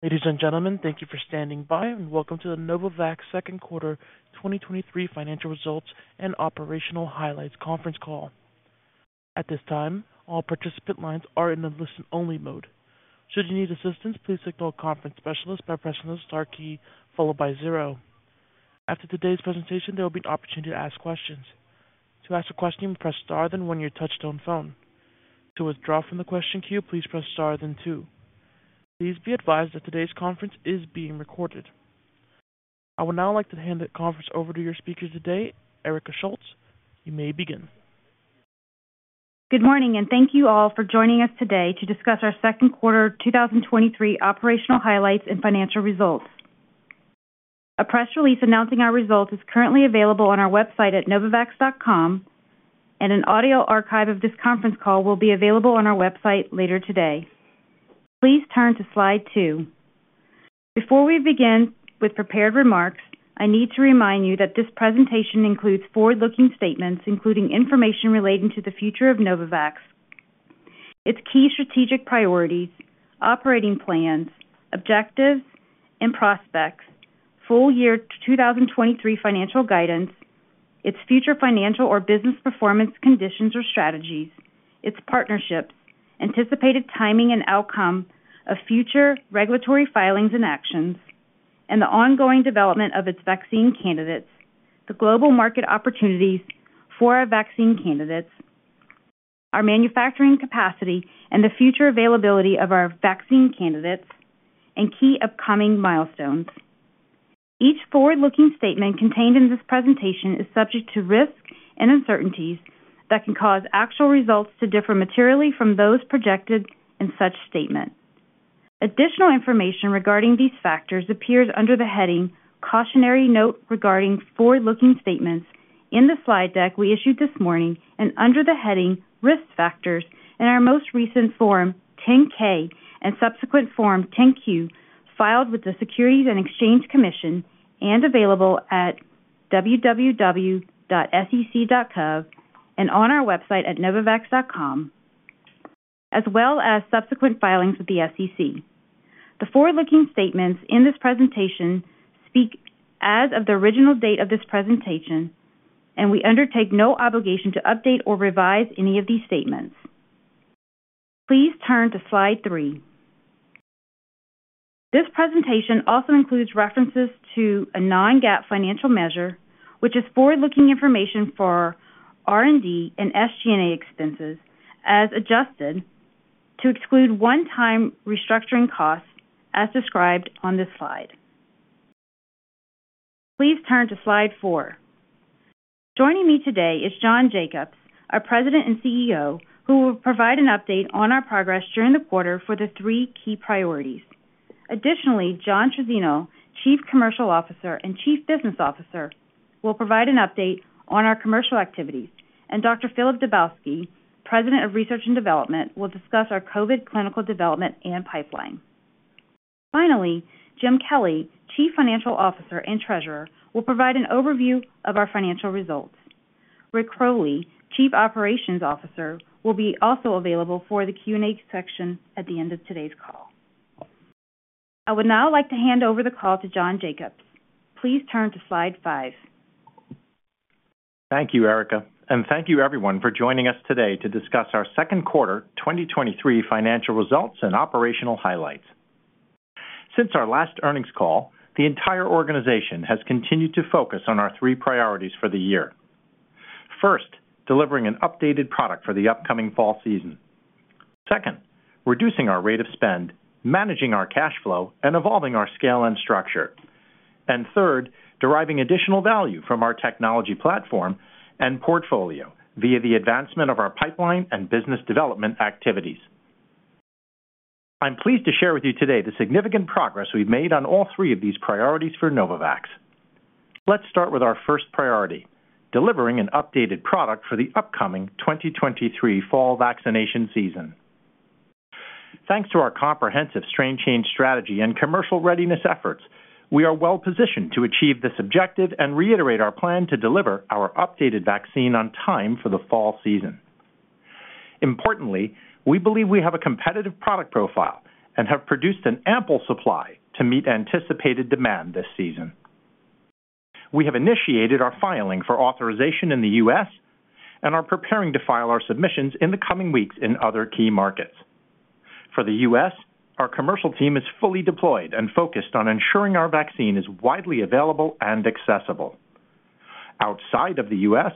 Ladies and gentlemen, thank you for standing by, and welcome to the Novavax Second Quarter 2023 Financial Results and Operational Highlights conference call. At this time, all participant lines are in a listen-only mode. Should you need assistance, please signal a conference specialist by pressing the star key followed by zero. After today's presentation, there will be an opportunity to ask questions. To ask a question, press star, then one your touchtone phone. To withdraw from the question queue, please press star then two. Please be advised that today's conference is being recorded. I would now like to hand the conference over to your speaker today, Erika Schultz. You may begin. Good morning, and thank you all for joining us today to discuss our second quarter 2023 operational highlights and financial results. A press release announcing our results is currently available on our website at novavax.com, and an audio archive of this conference call will be available on our website later today. Please turn to slide two. Before we begin with prepared remarks, I need to remind you that this presentation includes forward-looking statements, including information relating to the future of Novavax, its key strategic priorities, operating plans, objectives and prospects, full year 2023 financial guidance, its future financial or business performance conditions or strategies, its partnerships, anticipated timing and outcome of future regulatory filings and actions, and the ongoing development of its vaccine candidates, the global market opportunities for our vaccine candidates, our manufacturing capacity, and the future availability of our vaccine candidates and key upcoming milestones. Each forward-looking statement contained in this presentation is subject to risks and uncertainties that can cause actual results to differ materially from those projected in such statements. Additional information regarding these factors appears under the heading "Cautionary Note Regarding Forward-Looking Statements" in the slide deck we issued this morning and under the heading "Risk Factors" in our most recent form, 10-K, and subsequent form, 10-Q, filed with the Securities and Exchange Commission and available at www.sec.gov and on our website at novavax.com, as well as subsequent filings with the SEC. The forward-looking statements in this presentation speak as of the original date of this presentation, and we undertake no obligation to update or revise any of these statements. Please turn to slide three. This presentation also includes references to a non-GAAP financial measure, which is forward-looking information for R&D and SG&A expenses, as adjusted to exclude one-time restructuring costs as described on this slide. Please turn to slide four. Joining me today is John Jacobs, our President and CEO, who will provide an update on our progress during the quarter for the three key priorities. Additionally, John Trizzino, Chief Commercial Officer and Chief Business Officer, will provide an update on our commercial activities. Dr. Filip Dubovsky, President of Research and Development, will discuss our COVID clinical development and pipeline. Finally, Jim Kelly, Chief Financial Officer and Treasurer, will provide an overview of our financial results. Rick Crowley, Chief Operations Officer, will be also available for the Q&A section at the end of today's call. I would now like to hand over the call to John Jacobs. Please turn to slide five. Thank you, Erika, and thank you everyone for joining us today to discuss our second quarter 2023 financial results and operational highlights. Since our last earnings call, the entire organization has continued to focus on our three priorities for the year. First, delivering an updated product for the upcoming fall season. Second, reducing our rate of spend, managing our cash flow, and evolving our scale and structure. Third, deriving additional value from our technology platform and portfolio via the advancement of our pipeline and business development activities. I'm pleased to share with you today the significant progress we've made on all three of these priorities for Novavax. Let's start with our first priority, delivering an updated product for the upcoming 2023 fall vaccination season. Thanks to our comprehensive strain change strategy and commercial readiness efforts, we are well positioned to achieve this objective and reiterate our plan to deliver our updated vaccine on time for the fall season. Importantly, we believe we have a competitive product profile and have produced an ample supply to meet anticipated demand this season. We have initiated our filing for authorization in the US and are preparing to file our submissions in the coming weeks in other key markets. For the US, our commercial team is fully deployed and focused on ensuring our vaccine is widely available and accessible. Outside of the US,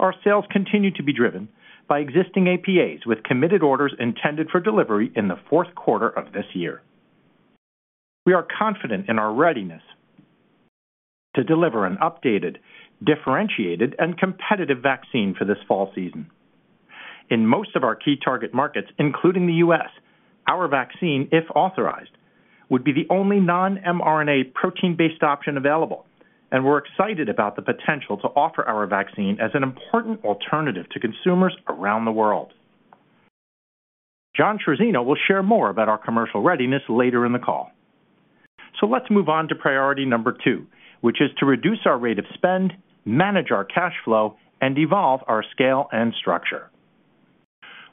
our sales continue to be driven by existing APAs with committed orders intended for delivery in the fourth quarter of this year. We are confident in our readiness to deliver an updated, differentiated, and competitive vaccine for this fall season. In most of our key target markets, including the US, our vaccine, if authorized, would be the only non-mRNA protein-based option available, and we're excited about the potential to offer our vaccine as an important alternative to consumers around the world. John Trizzino will share more about our commercial readiness later in the call. Let's move on to priority number two, which is to reduce our rate of spend, manage our cash flow, and evolve our scale and structure....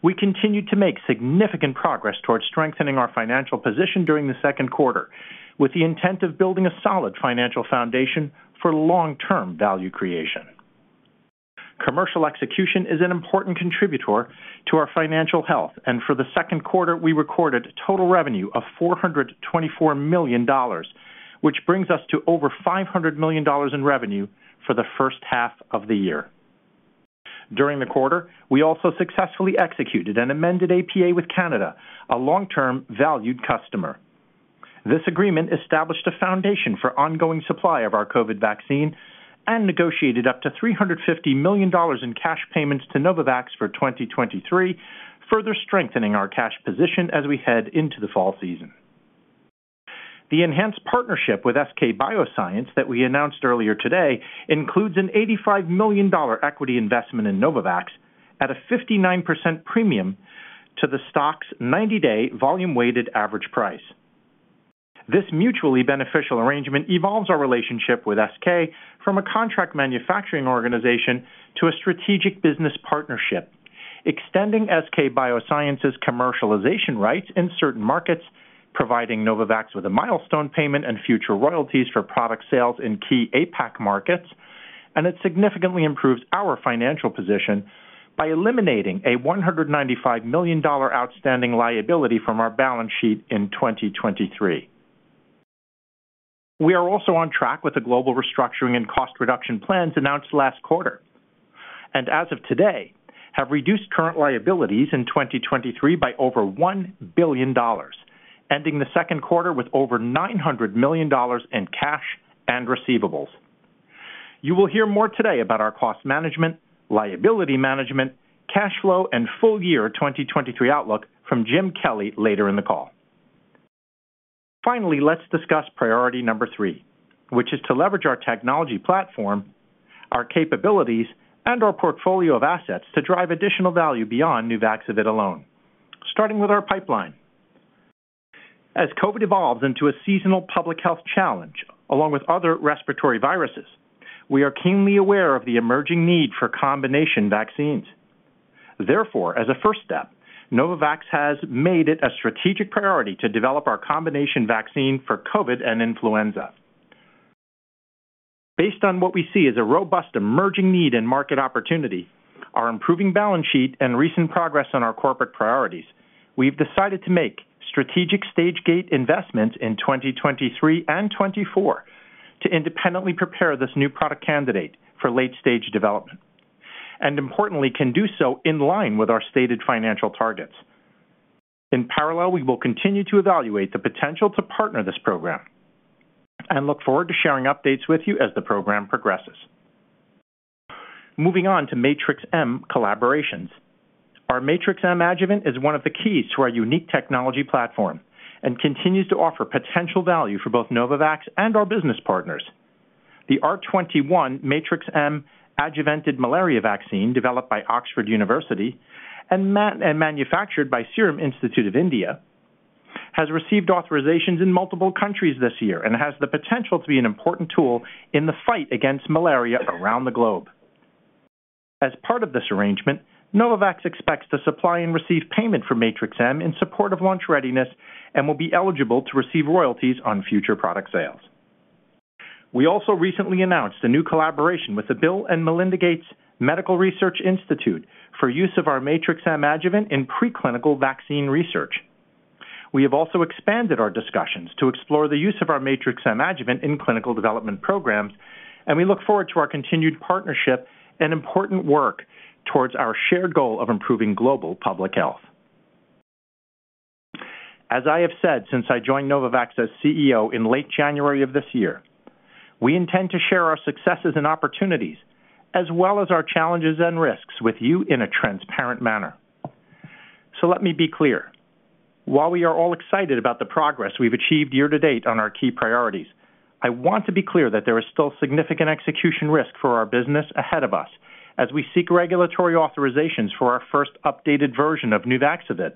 We continued to make significant progress towards strengthening our financial position during the second quarter, with the intent of building a solid financial foundation for long-term value creation. Commercial execution is an important contributor to our financial health, and for the second quarter, we recorded total revenue of $424 million, which brings us to over $500 million in revenue for the first half of the year. During the quarter, we also successfully executed an amended APA with Canada, a long-term valued customer. This agreement established a foundation for ongoing supply of our COVID vaccine and negotiated up to $350 million in cash payments to Novavax for 2023, further strengthening our cash position as we head into the fall season. The enhanced partnership with SK bioscience that we announced earlier today includes an $85 million equity investment in Novavax at a 59% premium to the stock's 90-day volume-weighted average price. This mutually beneficial arrangement evolves our relationship with SK from a contract manufacturing organization to a strategic business partnership, extending SK bioscience's commercialization rights in certain markets, providing Novavax with a milestone payment and future royalties for product sales in key APAC markets, and it significantly improves our financial position by eliminating a $195 million outstanding liability from our balance sheet in 2023. We are also on track with the global restructuring and cost reduction plans announced last quarter, and as of today, have reduced current liabilities in 2023 by over $1 billion, ending the second quarter with over $900 million in cash and receivables. You will hear more today about our cost management, liability management, cash flow, and full year 2023 outlook from Jim Kelly later in the call. Finally, let's discuss priority number three, which is to leverage our technology platform, our capabilities, and our portfolio of assets to drive additional value beyond Nuvaxovid alone. Starting with our pipeline. As COVID evolves into a seasonal public health challenge, along with other respiratory viruses, we are keenly aware of the emerging need for combination vaccines. Therefore, as a first step, Novavax has made it a strategic priority to develop our combination vaccine for COVID and influenza. Based on what we see as a robust emerging need and market opportunity, our improving balance sheet, and recent progress on our corporate priorities, we've decided to make strategic stage gate investments in 2023 and 2024 to independently prepare this new product candidate for late-stage development, and importantly, can do so in line with our stated financial targets. In parallel, we will continue to evaluate the potential to partner this program and look forward to sharing updates with you as the program progresses. Moving on to Matrix-M collaborations. Our Matrix-M adjuvant is one of the keys to our unique technology platform and continues to offer potential value for both Novavax and our business partners. The R21 Matrix-M adjuvanted malaria vaccine, developed by Oxford University and manufactured by Serum Institute of India, has received authorizations in multiple countries this year and has the potential to be an important tool in the fight against malaria around the globe. As part of this arrangement, Novavax expects to supply and receive payment for Matrix-M in support of launch readiness and will be eligible to receive royalties on future product sales. We also recently announced a new collaboration with the Bill & Melinda Gates Medical Research Institute for use of our Matrix-M adjuvant in preclinical vaccine research. We have also expanded our discussions to explore the use of our Matrix-M adjuvant in clinical development programs, and we look forward to our continued partnership and important work towards our shared goal of improving global public health. As I have said since I joined Novavax as CEO in late January of this year, we intend to share our successes and opportunities, as well as our challenges and risks, with you in a transparent manner. Let me be clear. While we are all excited about the progress we've achieved year to date on our key priorities, I want to be clear that there is still significant execution risk for our business ahead of us as we seek regulatory authorizations for our first updated version of Nuvaxovid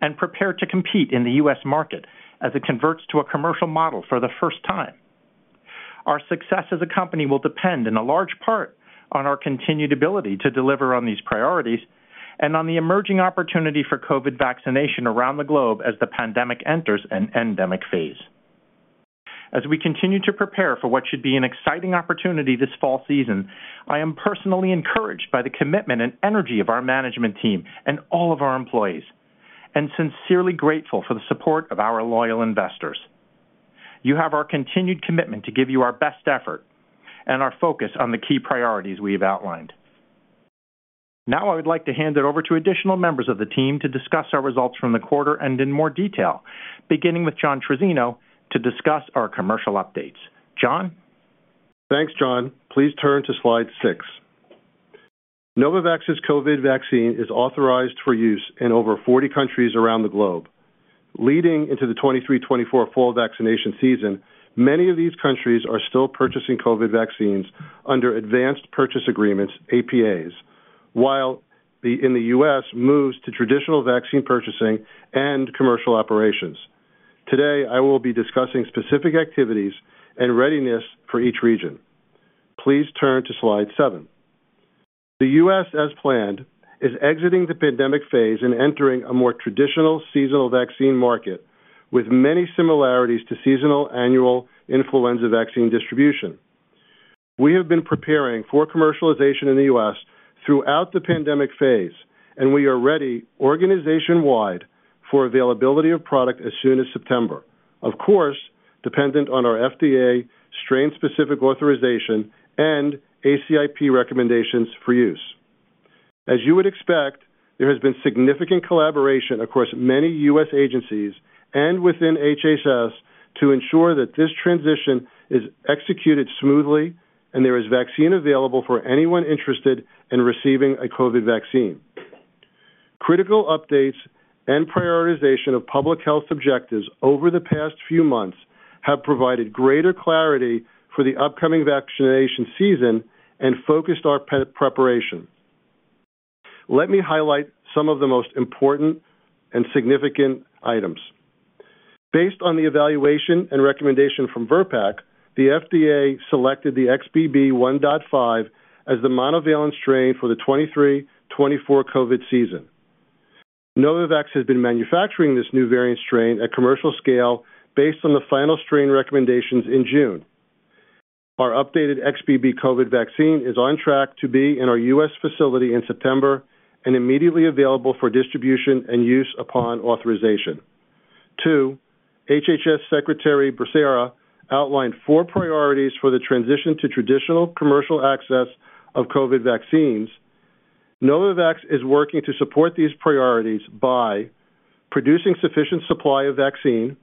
and prepare to compete in the U.S. market as it converts to a commercial model for the first time. Our success as a company will depend in a large part on our continued ability to deliver on these priorities and on the emerging opportunity for COVID vaccination around the globe as the pandemic enters an endemic phase. As we continue to prepare for what should be an exciting opportunity this fall season, I am personally encouraged by the commitment and energy of our management team and all of our employees, and sincerely grateful for the support of our loyal investors. You have our continued commitment to give you our best effort and our focus on the key priorities we have outlined. Now, I would like to hand it over to additional members of the team to discuss our results from the quarter and in more detail, beginning with John Trizzino, to discuss our commercial updates. John? Thanks, John. Please turn to slide 6. Novavax's COVID vaccine is authorized for use in over 40 countries around the globe. Leading into the 2023, 2024 fall vaccination season, many of these countries are still purchasing COVID vaccines under advanced purchase agreements, APAs, while in the U.S. moves to traditional vaccine purchasing and commercial operations. Today, I will be discussing specific activities and readiness for each region. Please turn to slide seven. The U.S., as planned, is exiting the pandemic phase and entering a more traditional seasonal vaccine market, with many similarities to seasonal annual influenza vaccine distribution. We have been preparing for commercialization in the U.S. throughout the pandemic phase, and we are ready organization-wide for availability of product as soon as September. Of course, dependent on our FDA strain-specific authorization and ACIP recommendations for use. As you would expect, there has been significant collaboration across many U.S. agencies and within HHS to ensure that this transition is executed smoothly and there is vaccine available for anyone interested in receiving a COVID vaccine. Critical updates and prioritization of public health objectives over the past few months have provided greater clarity for the upcoming vaccination season and focused our preparation. Let me highlight some of the most important and significant items. Based on the evaluation and recommendation from VRBPAC, the FDA selected the XBB.1.5 as the monovalent strain for the 2023-2024 COVID season. Novavax has been manufacturing this new variant strain at commercial scale based on the final strain recommendations in June. Our updated XBB COVID vaccine is on track to be in our U.S. facility in September and immediately available for distribution and use upon authorization. Two, HHS Secretary Becerra outlined four priorities for the transition to traditional commercial access of COVID vaccines. Novavax is working to support these priorities by producing sufficient supply of vaccine,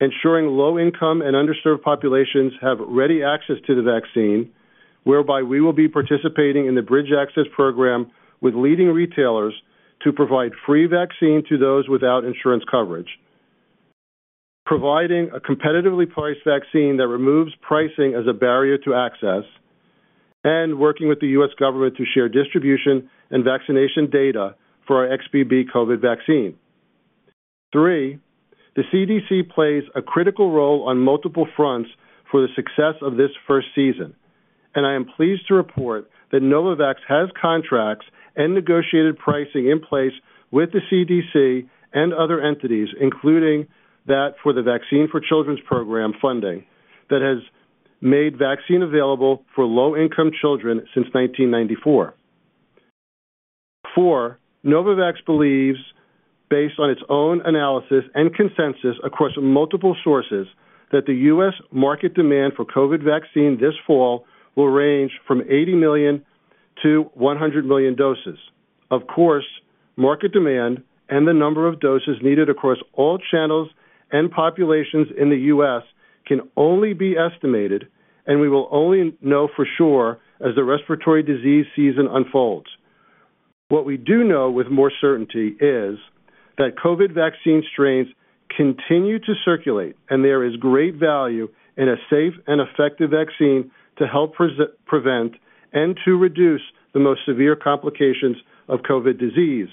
ensuring low-income and underserved populations have ready access to the vaccine, whereby we will be participating in the Bridge Access Program with leading retailers to provide free vaccine to those without insurance coverage. Providing a competitively priced vaccine that removes pricing as a barrier to access, working with the U.S. government to share distribution and vaccination data for our XBB COVID vaccine. Three, the CDC plays a critical role on multiple fronts for the success of this first season, and I am pleased to report that Novavax has contracts and negotiated pricing in place with the CDC and other entities, including that for the Vaccine for Children program funding, that has made vaccine available for low-income children since 1994. Four, Novavax believes, based on its own analysis and consensus across multiple sources, that the US market demand for COVID vaccine this fall will range from 80 million to 100 million doses. Of course, market demand and the number of doses needed across all channels and populations in the US can only be estimated, and we will only know for sure as the respiratory disease season unfolds. What we do know with more certainty is that COVID vaccine strains continue to circulate, and there is great value in a safe and effective vaccine to help prevent and to reduce the most severe complications of COVID disease,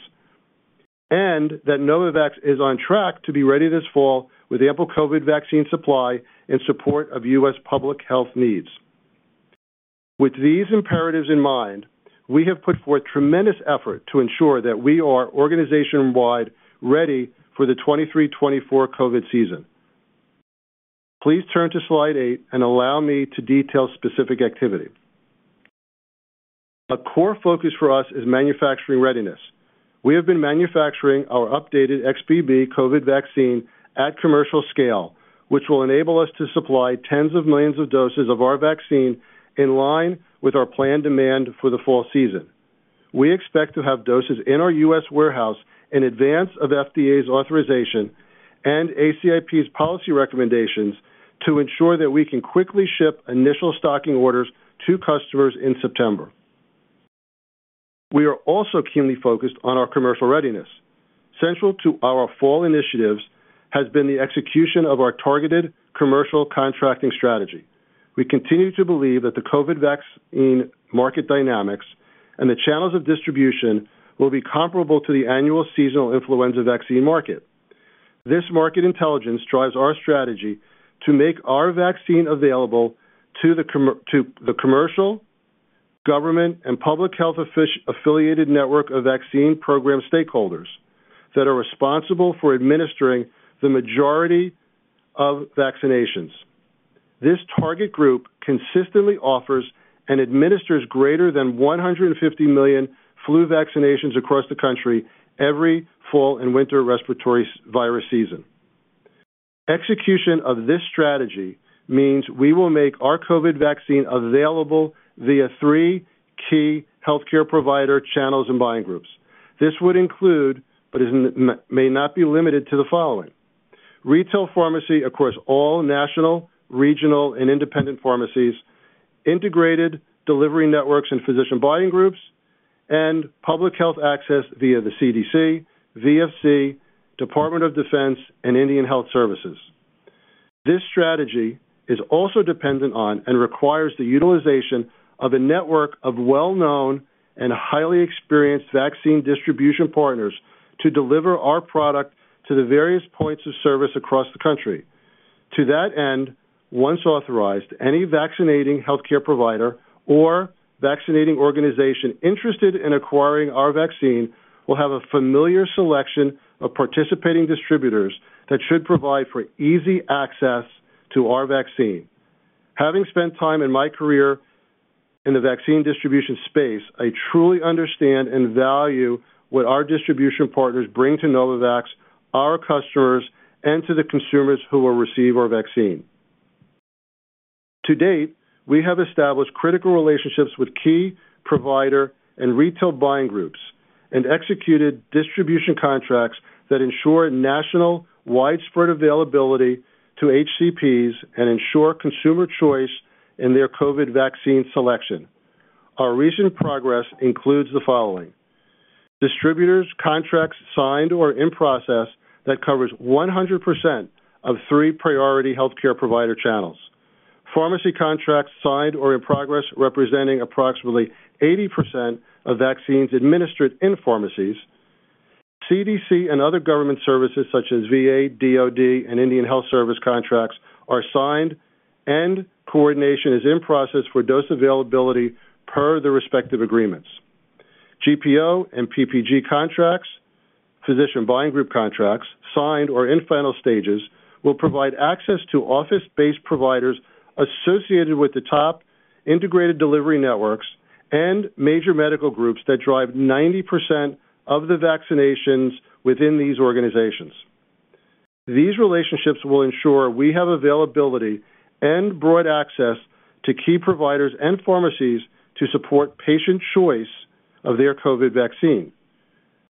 and that Novavax is on track to be ready this fall with ample COVID vaccine supply in support of U.S. public health needs. With these imperatives in mind, we have put forth tremendous effort to ensure that we are organization-wide ready for the 2023, 2024 COVID season. Please turn to slide 8 and allow me to detail specific activity. A core focus for us is manufacturing readiness. We have been manufacturing our updated XBB COVID vaccine at commercial scale, which will enable us to supply tens of millions of doses of our vaccine in line with our planned demand for the fall season. We expect to have doses in our U.S. warehouse in advance of FDA's authorization and ACIP's policy recommendations to ensure that we can quickly ship initial stocking orders to customers in September. We are also keenly focused on our commercial readiness. Central to our fall initiatives has been the execution of our targeted commercial contracting strategy. We continue to believe that the COVID vaccine market dynamics and the channels of distribution will be comparable to the annual seasonal influenza vaccine market. This market intelligence drives our strategy to make our vaccine available to the commercial, government, and public health affiliated network of vaccine program stakeholders that are responsible for administering the majority of vaccinations. This target group consistently offers and administers greater than 150 million flu vaccinations across the country every fall and winter respiratory virus season. Execution of this strategy means we will make our COVID vaccine available via three key healthcare provider channels and buying groups. This would include, but may not be limited to the following: retail pharmacy across all national, regional, and independent pharmacies, integrated delivery networks and physician buying groups, and public health access via the CDC, VFC, Department of Defense, and Indian Health Service. This strategy is also dependent on and requires the utilization of a network of well-known and highly experienced vaccine distribution partners to deliver our product to the various points of service across the country. To that end, once authorized, any vaccinating healthcare provider or vaccinating organization interested in acquiring our vaccine will have a familiar selection of participating distributors that should provide for easy access to our vaccine. Having spent time in my career in the vaccine distribution space, I truly understand and value what our distribution partners bring to Novavax, our customers, and to the consumers who will receive our vaccine. To date, we have established critical relationships with key provider and retail buying groups and executed distribution contracts that ensure national widespread availability to HCPs and ensure consumer choice in their COVID vaccine selection. Our recent progress includes the following: distributors contracts signed or in process that covers 100% of three priority healthcare provider channels. Pharmacy contracts signed or in progress, representing approximately 80% of vaccines administered in pharmacies. CDC and other government services, such as V.A., DOD, and Indian Health Service contracts, are signed and coordination is in process for dose availability per the respective agreements. GPO and PPG contracts, physician buying group contracts, signed or in final stages, will provide access to office-based providers associated with the top integrated delivery networks and major medical groups that drive 90% of the vaccinations within these organizations. These relationships will ensure we have availability and broad access to key providers and pharmacies to support patient choice of their COVID vaccine.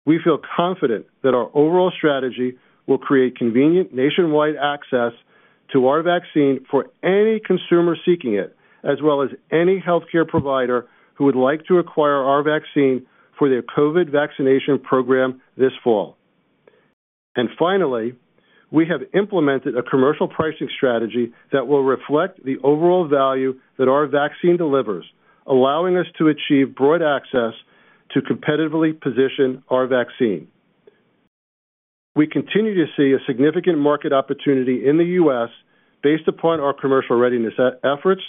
We feel confident that our overall strategy will create convenient nationwide access to our vaccine for any consumer seeking it, as well as any healthcare provider who would like to acquire our vaccine for their COVID vaccination program this fall. Finally, we have implemented a commercial pricing strategy that will reflect the overall value that our vaccine delivers, allowing us to achieve broad access to competitively position our vaccine. We continue to see a significant market opportunity in the U.S. based upon our commercial readiness efforts.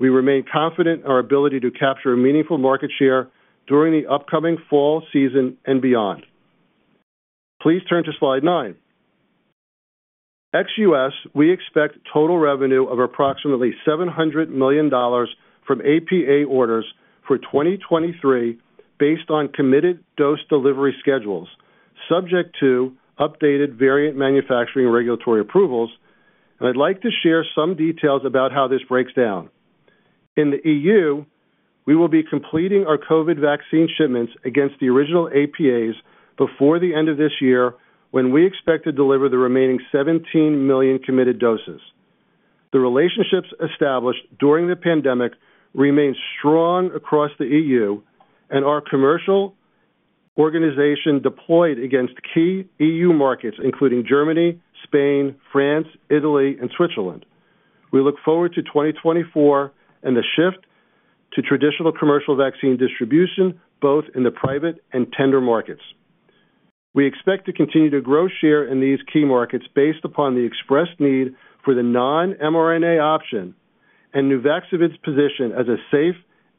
We remain confident in our ability to capture a meaningful market share during the upcoming fall season and beyond. Please turn to slide 9. Ex-U.S., we expect total revenue of approximately $700 million from APA orders for 2023, based on committed dose delivery schedules, subject to updated variant manufacturing regulatory approvals, and I'd like to share some details about how this breaks down. In the EU, we will be completing our COVID vaccine shipments against the original APAs before the end of this year, when we expect to deliver the remaining 17 million committed doses. The relationships established during the pandemic remain strong across the EU, and our commercial organization deployed against key EU markets, including Germany, Spain, France, Italy, and Switzerland. We look forward to 2024 and the shift to traditional commercial vaccine distribution, both in the private and tender markets. We expect to continue to grow share in these key markets based upon the expressed need for the non-mRNA option and Nuvaxovid's position as a safe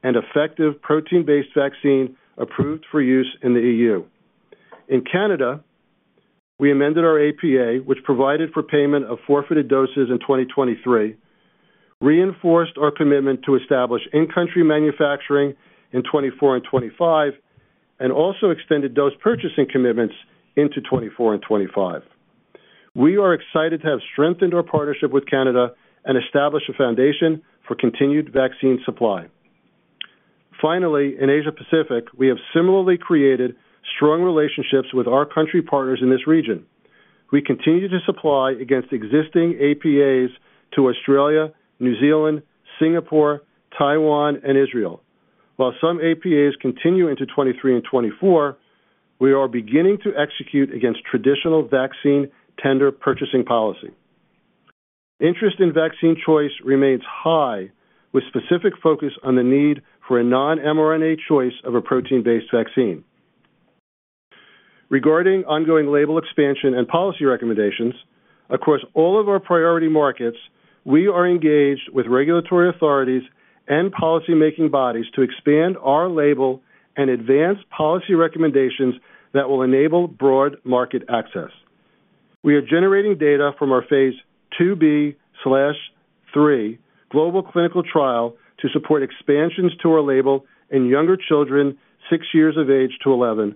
and effective protein-based vaccine approved for use in the EU. In Canada, we amended our APA, which provided for payment of forfeited doses in 2023, reinforced our commitment to establish in-country manufacturing in 2024 and 2025, and also extended dose purchasing commitments into 2024 and 2025. We are excited to have strengthened our partnership with Canada and established a foundation for continued vaccine supply. In Asia Pacific, we have similarly created strong relationships with our country partners in this region. We continue to supply against existing APAs to Australia, New Zealand, Singapore, Taiwan, and Israel. While some APAs continue into 2023 and 2024, we are beginning to execute against traditional vaccine tender purchasing policy. Interest in vaccine choice remains high, with specific focus on the need for a non-mRNA choice of a protein-based vaccine. Regarding ongoing label expansion and policy recommendations, across all of our priority markets, we are engaged with regulatory authorities and policymaking bodies to expand our label and advance policy recommendations that will enable broad market access. We are generating data from our phase II-B/3 global clinical trial to support expansions to our label in younger children, 6 years of age to 11,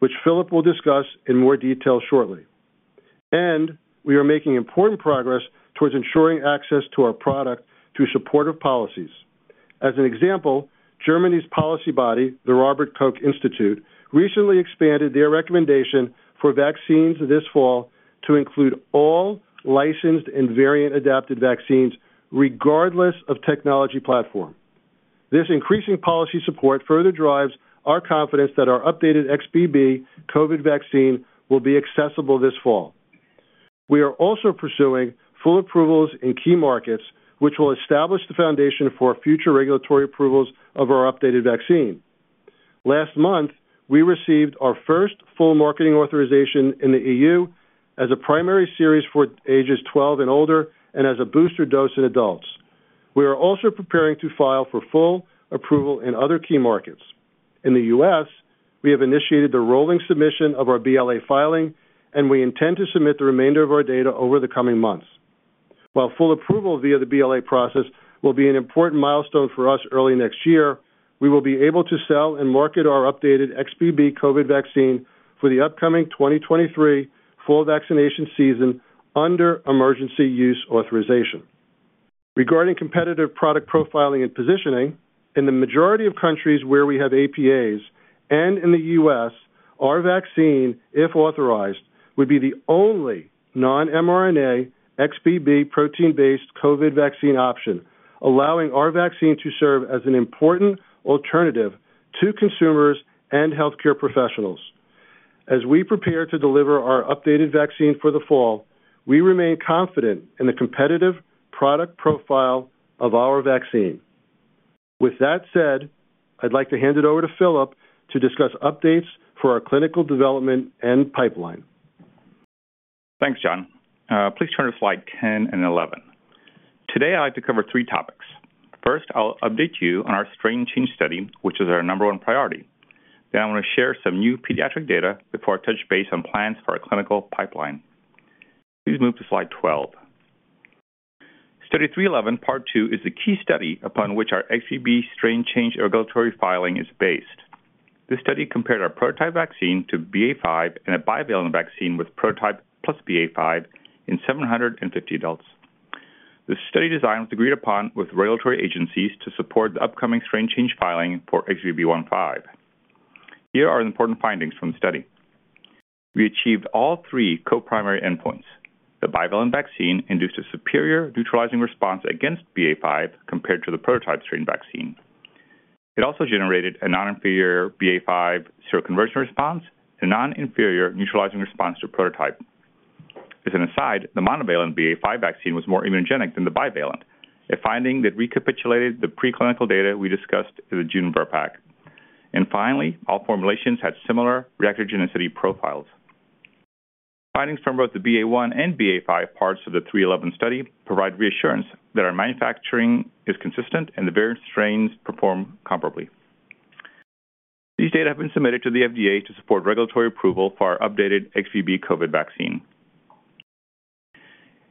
which Filip will discuss in more detail shortly. We are making important progress towards ensuring access to our product through supportive policies. As an example, Germany's policy body, the Robert Koch Institute, recently expanded their recommendation for vaccines this fall to include all licensed and variant-adapted vaccines, regardless of technology platform. This increasing policy support further drives our confidence that our updated XBB COVID vaccine will be accessible this fall. We are also pursuing full approvals in key markets, which will establish the foundation for future regulatory approvals of our updated vaccine. Last month, we received our first full marketing authorization in the EU as a primary series for ages 12 and older and as a booster dose in adults. We are also preparing to file for full approval in other key markets. In the U.S., we have initiated the rolling submission of our BLA filing, and we intend to submit the remainder of our data over the coming months. While full approval via the BLA process will be an important milestone for us early next year, we will be able to sell and market our updated XBB COVID vaccine for the upcoming 2023 full vaccination season under emergency use authorization. Regarding competitive product profiling and positioning, in the majority of countries where we have APAs and in the U.S., our vaccine, if authorized, would be the only non-mRNA XBB protein-based COVID vaccine option, allowing our vaccine to serve as an important alternative to consumers and healthcare professionals. As we prepare to deliver our updated vaccine for the fall, we remain confident in the competitive product profile of our vaccine. With that said, I'd like to hand it over to Filip to discuss updates for our clinical development and pipeline. Thanks, John. Please turn to slide 10 and 11. Today, I'd like to cover three topics. First, I'll update you on our strain change study, which is our number one priority. I'm going to share some new pediatric data before I touch base on plans for our clinical pipeline. Please move to slide 12. Study 311, part 2 is the key study upon which our XBB strain change regulatory filing is based. This study compared our prototype vaccine to BA.5 and a bivalent vaccine with prototype plus BA.5 in 750 adults. The study design was agreed upon with regulatory agencies to support the upcoming strain change filing for XBB.1.5. Here are the important findings from the study. We achieved all three co-primary endpoints. The bivalent vaccine induced a superior neutralizing response against BA.5 compared to the prototype strain vaccine. It also generated a non-inferior BA.5 seroconversion response and non-inferior neutralizing response to prototype. As an aside, the monovalent BA.5 vaccine was more immunogenic than the bivalent, a finding that recapitulated the preclinical data we discussed in the June VRBPAC. Finally, all formulations had similar reactogenicity profiles. Findings from both the BA.1 and BA.5 parts of the Study 311 provide reassurance that our manufacturing is consistent and the variant strains perform comparably. These data have been submitted to the FDA to support regulatory approval for our updated XBB COVID vaccine.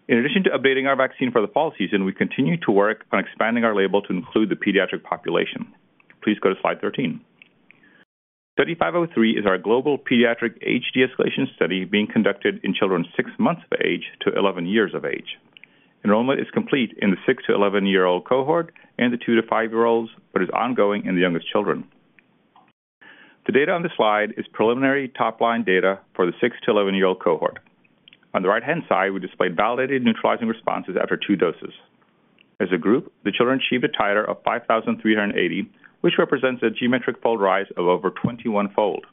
In addition to updating our vaccine for the fall season, we continue to work on expanding our label to include the pediatric population. Please go to slide 13. Study 503 is our global pediatric age de-escalation study being conducted in children 6 months of age to 11 years of age. Enrollment is complete in the six to 11-year-old cohort and the 2-5-year-olds, but is ongoing in the youngest children. The data on this slide is preliminary top-line data for the six to 11-year-old cohort. On the right-hand side, we displayed validated neutralizing responses after two doses. As a group, the children achieved a titer of 5,380, which represents a geometric fold rise of over 21-fold.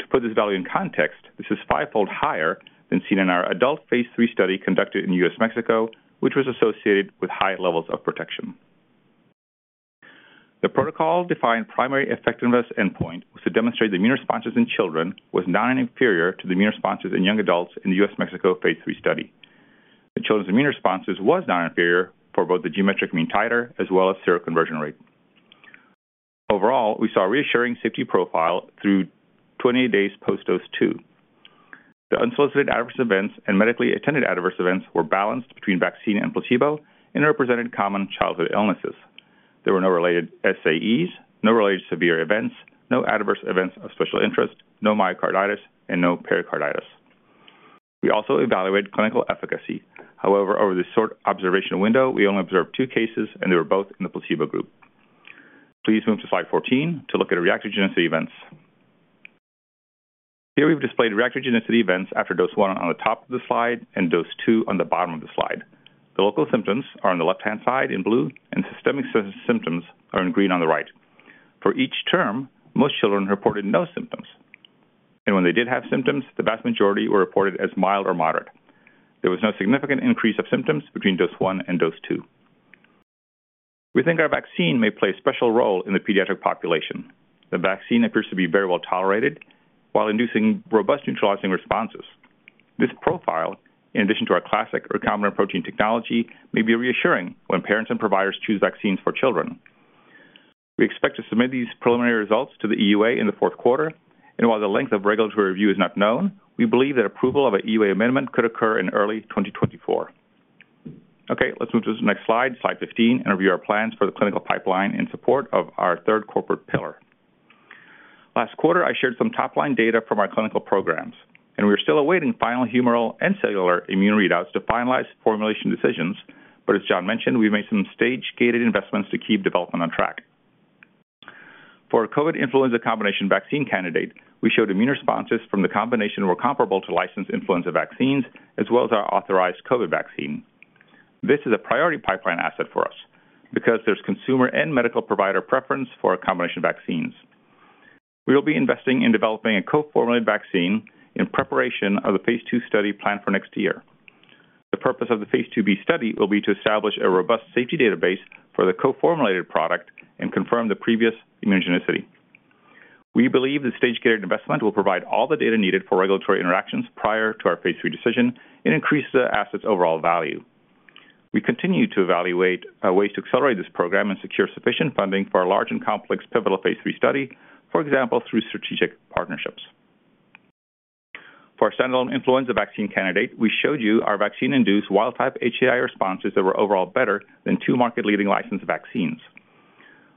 To put this value in context, this is five-fold higher than seen in our adult phase three study conducted in US, Mexico, which was associated with high levels of protection. The protocol-defined primary effectiveness endpoint was to demonstrate immune responses in children was non-inferior to the immune responses in young adults in the US, Mexico phase three study. The children's immune responses was non-inferior for both the geometric mean titer as well as seroconversion rate. Overall, we saw a reassuring safety profile through 20 days post dose two. The unsolicited adverse events and medically attended adverse events were balanced between vaccine and placebo and represented common childhood illnesses. There were no related SAEs, no related severe events, no adverse events of special interest, no myocarditis, and no pericarditis. We also evaluated clinical efficacy. However, over this short observational window, we only observed two cases, and they were both in the placebo group. Please move to slide 14 to look at reactogenicity events. Here we've displayed reactogenicity events after dose one on the top of the slide and dose two on the bottom of the slide. The local symptoms are on the left-hand side in blue, and systemic symptoms are in green on the right. For each term, most children reported no symptoms, and when they did have symptoms, the vast majority were reported as mild or moderate. There was no significant increase of symptoms between dose one and dose two. We think our vaccine may play a special role in the pediatric population. The vaccine appears to be very well tolerated while inducing robust neutralizing responses. This profile, in addition to our classic recombinant protein technology, may be reassuring when parents and providers choose vaccines for children. We expect to submit these preliminary results to the EUA in the fourth quarter. While the length of regulatory review is not known, we believe that approval of a EUA amendment could occur in early 2024. Let's move to the next slide, slide 15, and review our plans for the clinical pipeline in support of our third corporate pillar. Last quarter, I shared some top-line data from our clinical programs, and we are still awaiting final humoral and cellular immune readouts to finalize formulation decisions. As John mentioned, we've made some stage-gated investments to keep development on track. For our COVID-influenza combination vaccine candidate, we showed immune responses from the combination were comparable to licensed influenza vaccines, as well as our authorized COVID vaccine. This is a priority pipeline asset for us because there's consumer and medical provider preference for combination vaccines. We will be investing in developing a co-formulated vaccine in preparation of the phase II study planned for next year. The purpose of the phase II-B study will be to establish a robust safety database for the co-formulated product and confirm the previous immunogenicity. We believe this stage-gated investment will provide all the data needed for regulatory interactions prior to our phase 3 decision and increase the asset's overall value. We continue to evaluate ways to accelerate this program and secure sufficient funding for a large and complex pivotal phase 3 study, for example, through strategic partnerships. For our standalone influenza vaccine candidate, we showed you our vaccine-induced wild type HAI responses that were overall better than two market-leading licensed vaccines.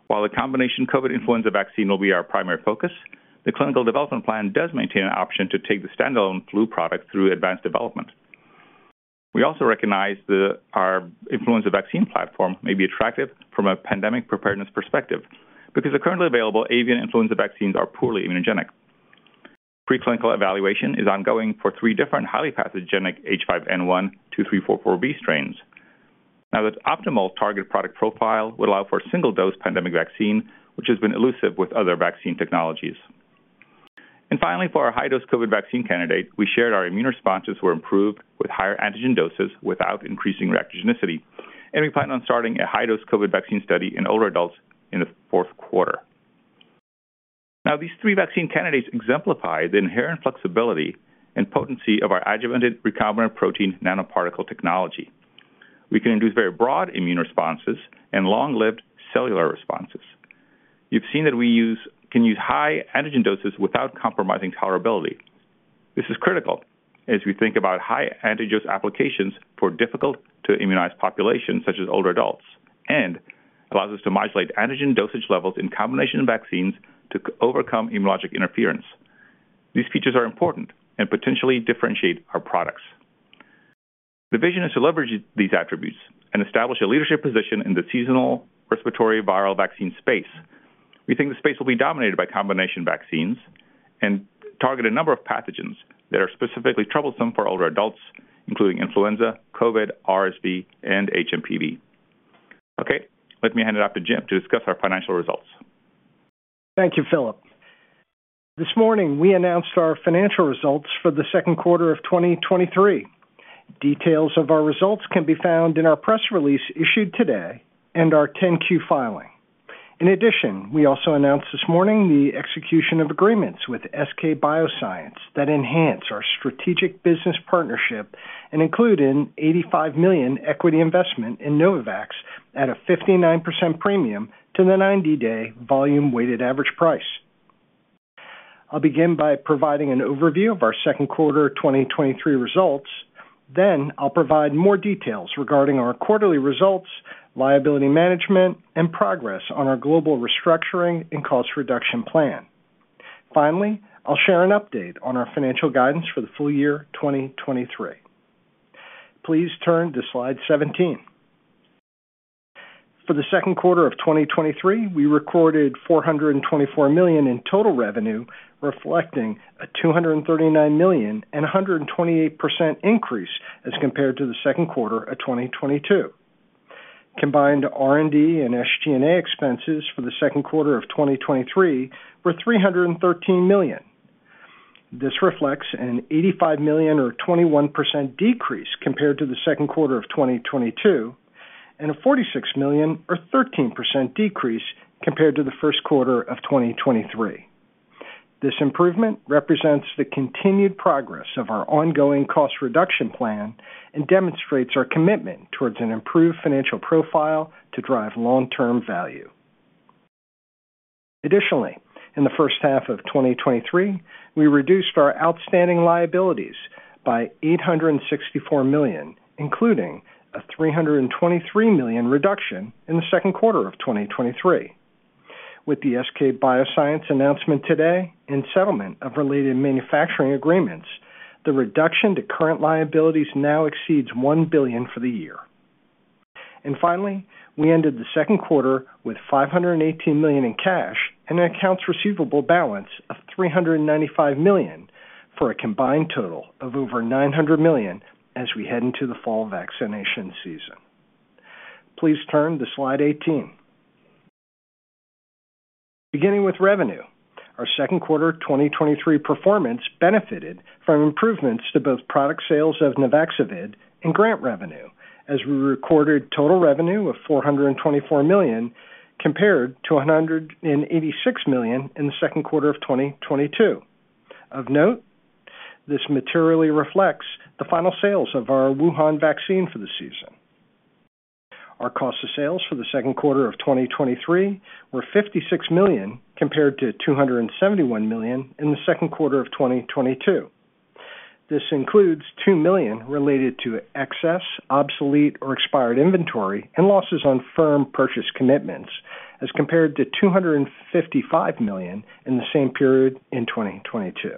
While the combination COVID influenza vaccine will be our primary focus, the clinical development plan does maintain an option to take the standalone flu product through advanced development. We also recognize that our influenza vaccine platform may be attractive from a pandemic preparedness perspective because the currently available avian influenza vaccines are poorly immunogenic. Preclinical evaluation is ongoing for three different highly pathogenic H5N1, 2.3.4.4b strains. Now, this optimal target product profile would allow for a single-dose pandemic vaccine, which has been elusive with other vaccine technologies. Finally, for our high-dose COVID vaccine candidate, we shared our immune responses were improved with higher antigen doses without increasing reactogenicity, and we plan on starting a high-dose COVID vaccine study in older adults in the fourth quarter. Now, these three vaccine candidates exemplify the inherent flexibility and potency of our adjuvanted recombinant protein nanoparticle technology. We can induce very broad immune responses and long-lived cellular responses. You've seen that we use, can use high antigen doses without compromising tolerability. This is critical as we think about high antigen applications for difficult-to-immunize populations, such as older adults, and allows us to modulate antigen dosage levels in combination vaccines to overcome immunologic interference. These features are important and potentially differentiate our products. The vision is to leverage these attributes and establish a leadership position in the seasonal respiratory viral vaccine space. We think the space will be dominated by combination vaccines and target a number of pathogens that are specifically troublesome for older adults, including influenza, COVID, RSV, and hMPV. Okay, let me hand it off to Jim to discuss our financial results. Thank you, Filip. This morning, we announced our financial results for the second quarter of 2023. Details of our results can be found in our press release issued today and our 10-Q filing. In addition, we also announced this morning the execution of agreements with SK bioscience that enhance our strategic business partnership and include an $85 million equity investment in Novavax at a 59% premium to the 90-day volume-weighted average price. I'll begin by providing an overview of our second quarter 2023 results. I'll provide more details regarding our quarterly results, liability management, and progress on our global restructuring and cost reduction plan. Finally, I'll share an update on our financial guidance for the full year 2023. Please turn to slide 17. For the second quarter of 2023, we recorded $424 million in total revenue, reflecting a $239 million and a 128% increase as compared to the second quarter of 2022. Combined R&D and SG&A expenses for the second quarter of 2023 were $313 million. This reflects an $85 million or 21% decrease compared to the second quarter of 2022, and a $46 million or 13% decrease compared to the first quarter of 2023. This improvement represents the continued progress of our ongoing cost reduction plan and demonstrates our commitment towards an improved financial profile to drive long-term value. Additionally, in the first half of 2023, we reduced our outstanding liabilities by $864 million, including a $323 million reduction in the second quarter of 2023. With the SK bioscience announcement today and settlement of related manufacturing agreements, the reduction to current liabilities now exceeds $1 billion for the year. Finally, we ended the second quarter with $518 million in cash and an accounts receivable balance of $395 million, for a combined total of over $900 million as we head into the fall vaccination season. Please turn to slide 18. Beginning with revenue, our second quarter 2023 performance benefited from improvements to both product sales of Nuvaxovid and grant revenue, as we recorded total revenue of $424 million, compared to $186 million in the second quarter of 2022. Of note, this materially reflects the final sales of our Wuhan vaccine for the season. Our cost of sales for the second quarter of 2023 were $56 million, compared to $271 million in the second quarter of 2022. This includes $2 million related to excess, obsolete, or expired inventory and losses on firm purchase commitments, as compared to $255 million in the same period in 2022.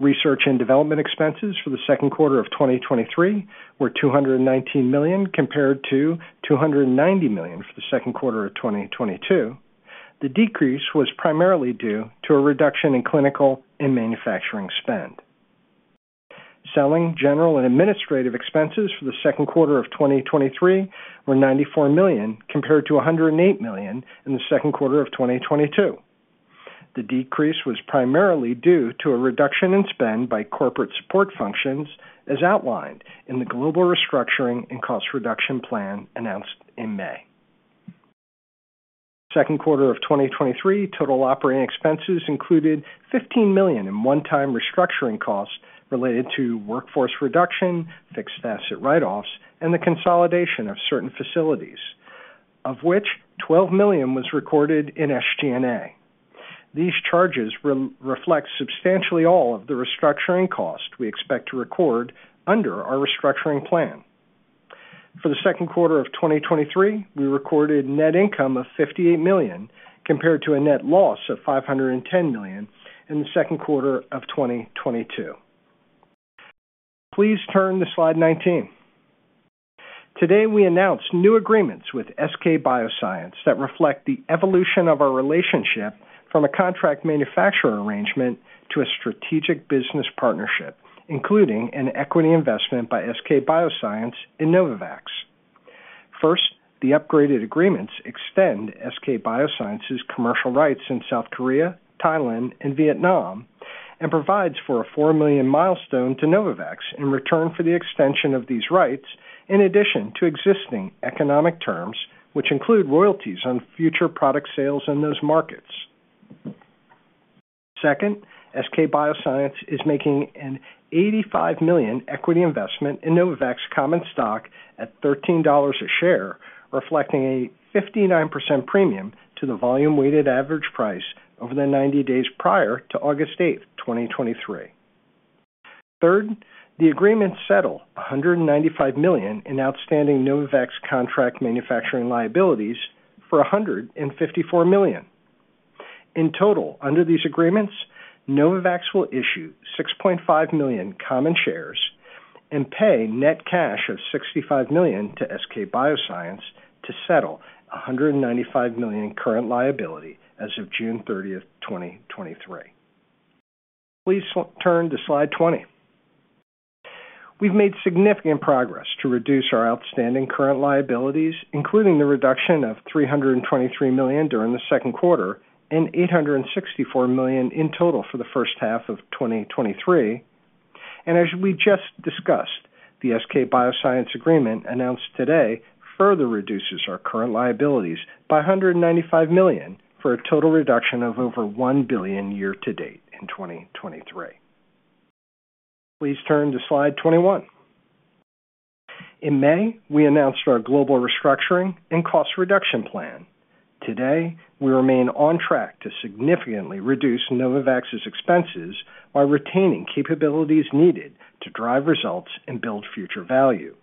Research and development expenses for the second quarter of 2023 were $219 million, compared to $290 million for the second quarter of 2022. The decrease was primarily due to a reduction in clinical and manufacturing spend. Selling, General & Administrative expenses for the second quarter of 2023 were $94 million, compared to $108 million in the second quarter of 2022. The decrease was primarily due to a reduction in spend by corporate support functions, as outlined in the global restructuring and cost reduction plan announced in May. Second quarter of 2023, total operating expenses included $15 million in one-time restructuring costs related to workforce reduction, fixed asset write-offs, and the consolidation of certain facilities, of which $12 million was recorded in SG&A. These charges re-reflect substantially all of the restructuring costs we expect to record under our restructuring plan. For the second quarter of 2023, we recorded net income of $58 million, compared to a net loss of $510 million in the second quarter of 2022. Please turn to slide 19. Today, we announced new agreements with SK bioscience that reflect the evolution of our relationship from a contract manufacturer arrangement to a strategic business partnership, including an equity investment by SK bioscience in Novavax. First, the upgraded agreements extend SK bioscience's commercial rights in South Korea, Thailand, and Vietnam, provides for a $4 million milestone to Novavax in return for the extension of these rights, in addition to existing economic terms, which include royalties on future product sales in those markets. Second, SK bioscience is making an $85 million equity investment in Novavax common stock at $13 a share, reflecting a 59% premium to the volume weighted average price over the 90 days prior to August 8, 2023. Third, the agreements settle a $195 million in outstanding Novavax contract manufacturing liabilities for a $154 million. In total, under these agreements, Novavax will issue 6.5 million common shares and pay net cash of $65 million to SK bioscience to settle a $195 million current liability as of June 30, 2023. Please turn to slide 20. We've made significant progress to reduce our outstanding current liabilities, including the reduction of $323 million during the second quarter and $864 million in total for the first half of 2023. As we just discussed, the SK bioscience agreement announced today further reduces our current liabilities by $195 million for a total reduction of over $1 billion year to date in 2023. Please turn to slide 21. In May, we announced our global restructuring and cost reduction plan. Today, we remain on track to significantly reduce Novavax's expenses while retaining capabilities needed to drive results and build future value.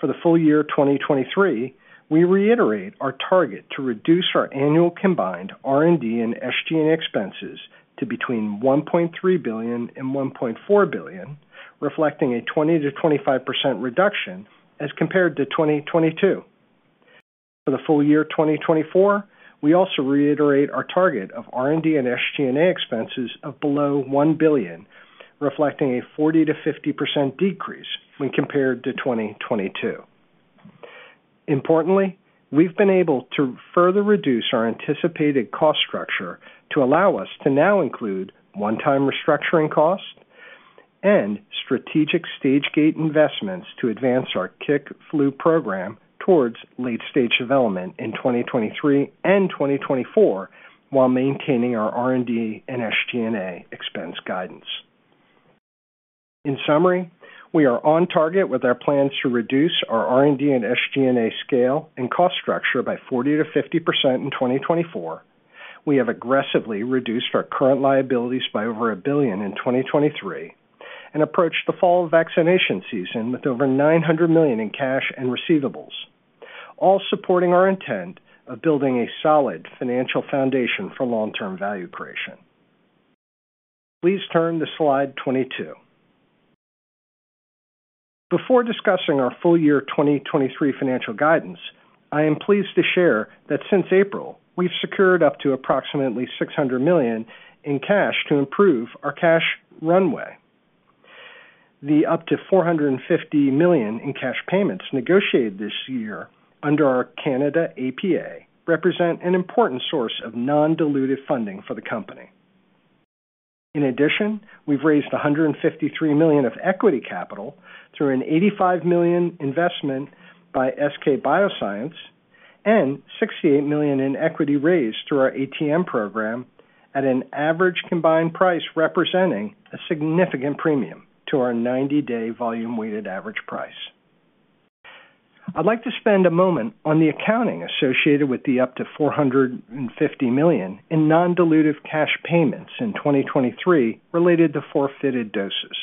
For the full year of 2023, we reiterate our target to reduce our annual combined R&D and SG&A expenses to between $1.3 billion and $1.4 billion, reflecting a 20%-25% reduction as compared to 2022. For the full year of 2024, we also reiterate our target of R&D and SG&A expenses of below $1 billion, reflecting a 40%-50% decrease when compared to 2022. Importantly, we've been able to further reduce our anticipated cost structure to allow us to now include one-time restructuring costs and strategic stage gate investments to advance our CIC flu program towards late-stage development in 2023 and 2024, while maintaining our R&D and SG&A expense guidance. In summary, we are on target with our plans to reduce our R&D and SG&A scale and cost structure by 40%-50% in 2024. We have aggressively reduced our current liabilities by over $1 billion in 2023 and approached the fall vaccination season with over $900 million in cash and receivables, all supporting our intent of building a solid financial foundation for long-term value creation. Please turn to slide 22. Before discussing our full year 2023 financial guidance, I am pleased to share that since April, we've secured up to approximately $600 million in cash to improve our cash runway. The up to $450 million in cash payments negotiated this year under our Canada APA, represent an important source of non-dilutive funding for the company. In addition, we've raised $153 million of equity capital through an $85 million investment by SK bioscience and $68 million in equity raised through our ATM program at an average combined price, representing a significant premium to our 90-day volume weighted average price. I'd like to spend a moment on the accounting associated with the up to $450 million in non-dilutive cash payments in 2023 related to forfeited doses.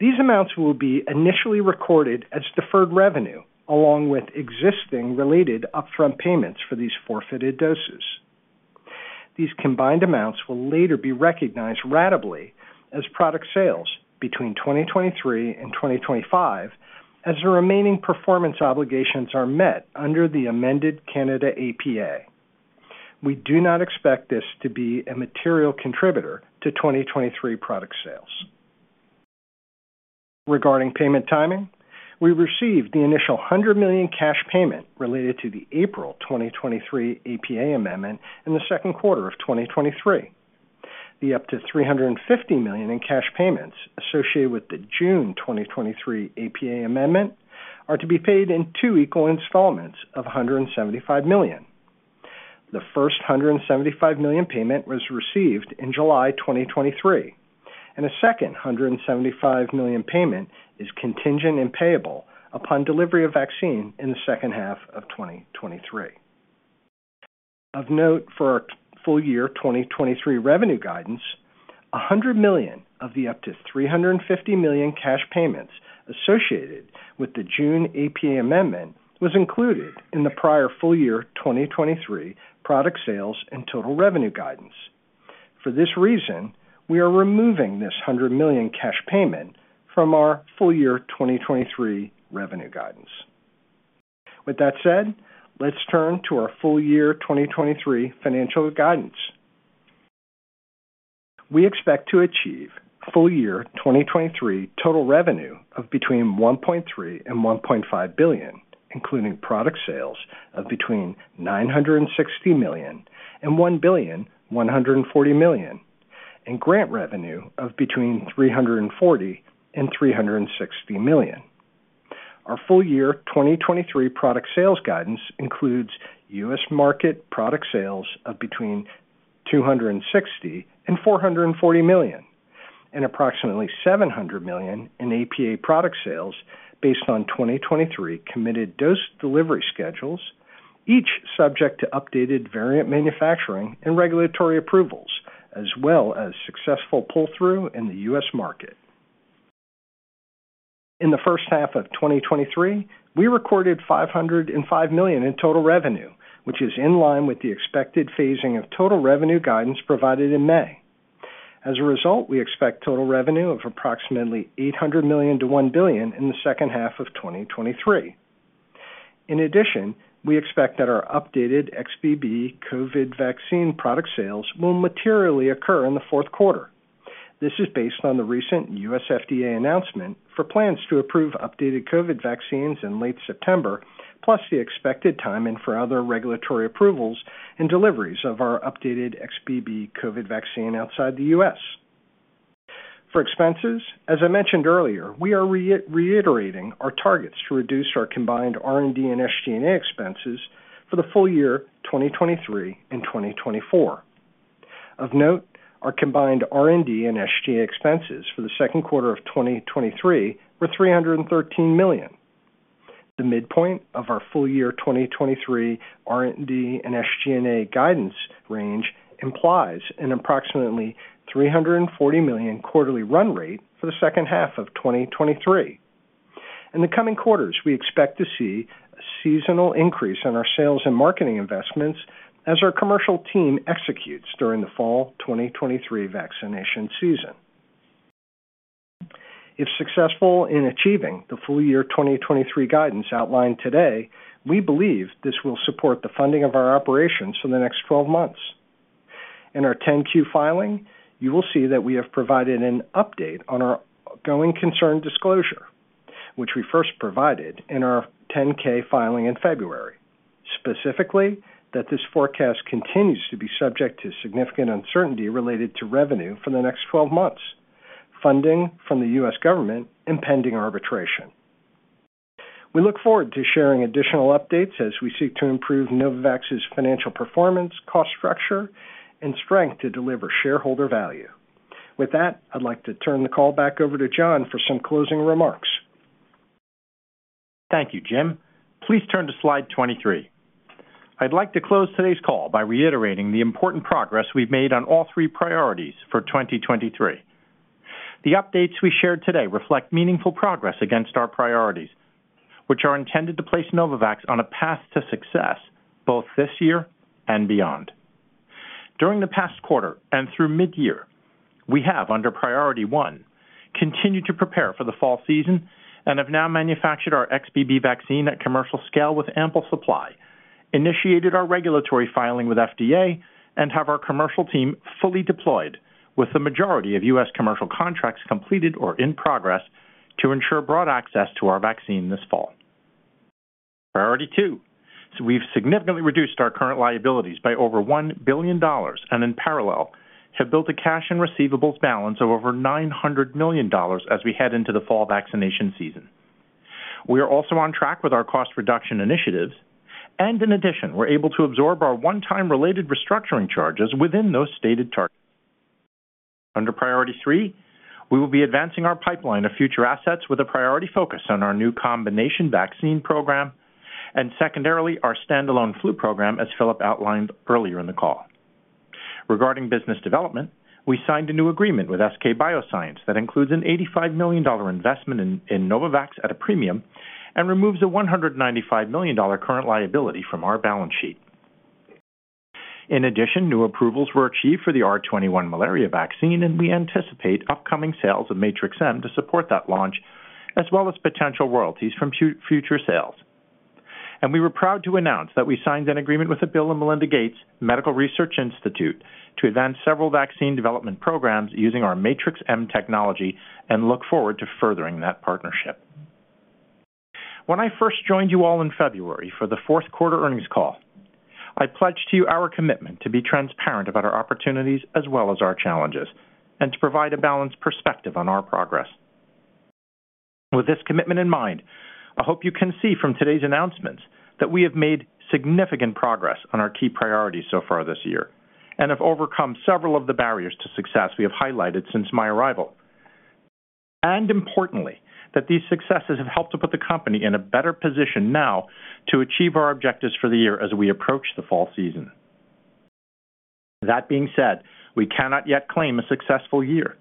These amounts will be initially recorded as deferred revenue, along with existing related upfront payments for these forfeited doses. These combined amounts will later be recognized ratably as product sales between 2023 and 2025, as the remaining performance obligations are met under the amended Canada APA. We do not expect this to be a material contributor to 2023 product sales. Regarding payment timing, we received the initial $100 million cash payment related to the April 2023 APA amendment in the second quarter of 2023. The up to $350 million in cash payments associated with the June 2023 APA amendment are to be paid in two equal installments of $175 million. The first $175 million payment was received in July 2023, and a second $175 million payment is contingent and payable upon delivery of vaccine in the second half of 2023. Of note, for our full year 2023 revenue guidance, $100 million of the up to $350 million cash payments associated with the June APA amendment was included in the prior full year 2023 product sales and total revenue guidance. For this reason, we are removing this $100 million cash payment from our full year 2023 revenue guidance. With that said, let's turn to our full year 2023 financial guidance. We expect to achieve full year 2023 total revenue of between $1.3 billion and $1.5 billion, including product sales of between $960 million and $1.14 billion, and grant revenue of between $340 million and $360 million. Our full year 2023 product sales guidance includes U.S. market product sales of between $260 million and $440 million, and approximately $700 million in APA product sales based on 2023 committed dose delivery schedules, each subject to updated variant manufacturing and regulatory approvals, as well as successful pull-through in the U.S. market. In the first half of 2023, we recorded $505 million in total revenue, which is in line with the expected phasing of total revenue guidance provided in May. As a result, we expect total revenue of approximately $800 million-$1 billion in the second half of 2023. In addition, we expect that our updated XBB COVID vaccine product sales will materially occur in the fourth quarter. This is based on the recent U.S. FDA announcement for plans to approve updated COVID vaccines in late September, plus the expected timing for other regulatory approvals and deliveries of our updated XBB COVID vaccine outside the U.S. For expenses, as I mentioned earlier, we are reiterating our targets to reduce our combined R&D and SG&A expenses for the full year 2023 and 2024. Of note, our combined R&D and SG&A expenses for the second quarter of 2023 were $313 million. The midpoint of our full year 2023 R&D and SG&A guidance range implies an approximately $340 million quarterly run rate for the second half of 2023. In the coming quarters, we expect to see a seasonal increase in our sales and marketing investments as our commercial team executes during the fall 2023 vaccination season. If successful in achieving the full year 2023 guidance outlined today, we believe this will support the funding of our operations for the next 12 months. In our 10-Q filing, you will see that we have provided an update on our ongoing concern disclosure, which we first provided in our 10-K filing in February. Specifically, that this forecast continues to be subject to significant uncertainty related to revenue for the next 12 months, funding from the U.S. government, and pending arbitration. We look forward to sharing additional updates as we seek to improve Novavax's financial performance, cost structure, and strength to deliver shareholder value. With that, I'd like to turn the call back over to John for some closing remarks. Thank you, Jim. Please turn to slide 23. I'd like to close today's call by reiterating the important progress we've made on all three priorities for 2023. The updates we shared today reflect meaningful progress against our priorities, which are intended to place Novavax on a path to success both this year and beyond. During the past quarter and through midyear, we have, under priority one, continued to prepare for the fall season and have now manufactured our XBB vaccine at commercial scale with ample supply, initiated our regulatory filing with FDA, and have our commercial team fully deployed with the majority of U.S. commercial contracts completed or in progress to ensure broad access to our vaccine this fall. Priority two. We've significantly reduced our current liabilities by over $1 billion and in parallel, have built a cash and receivables balance of over $900 million as we head into the fall vaccination season. We are also on track with our cost reduction initiatives. In addition, we're able to absorb our one-time related restructuring charges within those stated targets. Under priority three, we will be advancing our pipeline of future assets with a priority focus on our new combination vaccine program and secondarily, our standalone flu program, as Filip outlined earlier in the call. Regarding business development, we signed a new agreement with SK bioscience that includes an $85 million investment in Novavax at a premium and removes a $195 million current liability from our balance sheet. In addition, new approvals were achieved for the R21 malaria vaccine, and we anticipate upcoming sales of Matrix-M to support that launch, as well as potential royalties from future sales. We were proud to announce that we signed an agreement with the Bill & Melinda Gates Medical Research Institute to advance several vaccine development programs using our Matrix-M technology and look forward to furthering that partnership. When I first joined you all in February for the fourth quarter earnings call, I pledged to you our commitment to be transparent about our opportunities as well as our challenges, and to provide a balanced perspective on our progress. With this commitment in mind, I hope you can see from today's announcements that we have made significant progress on our key priorities so far this year, and have overcome several of the barriers to success we have highlighted since my arrival. Importantly, that these successes have helped to put the company in a better position now to achieve our objectives for the year as we approach the fall season. That being said, we cannot yet claim a successful year,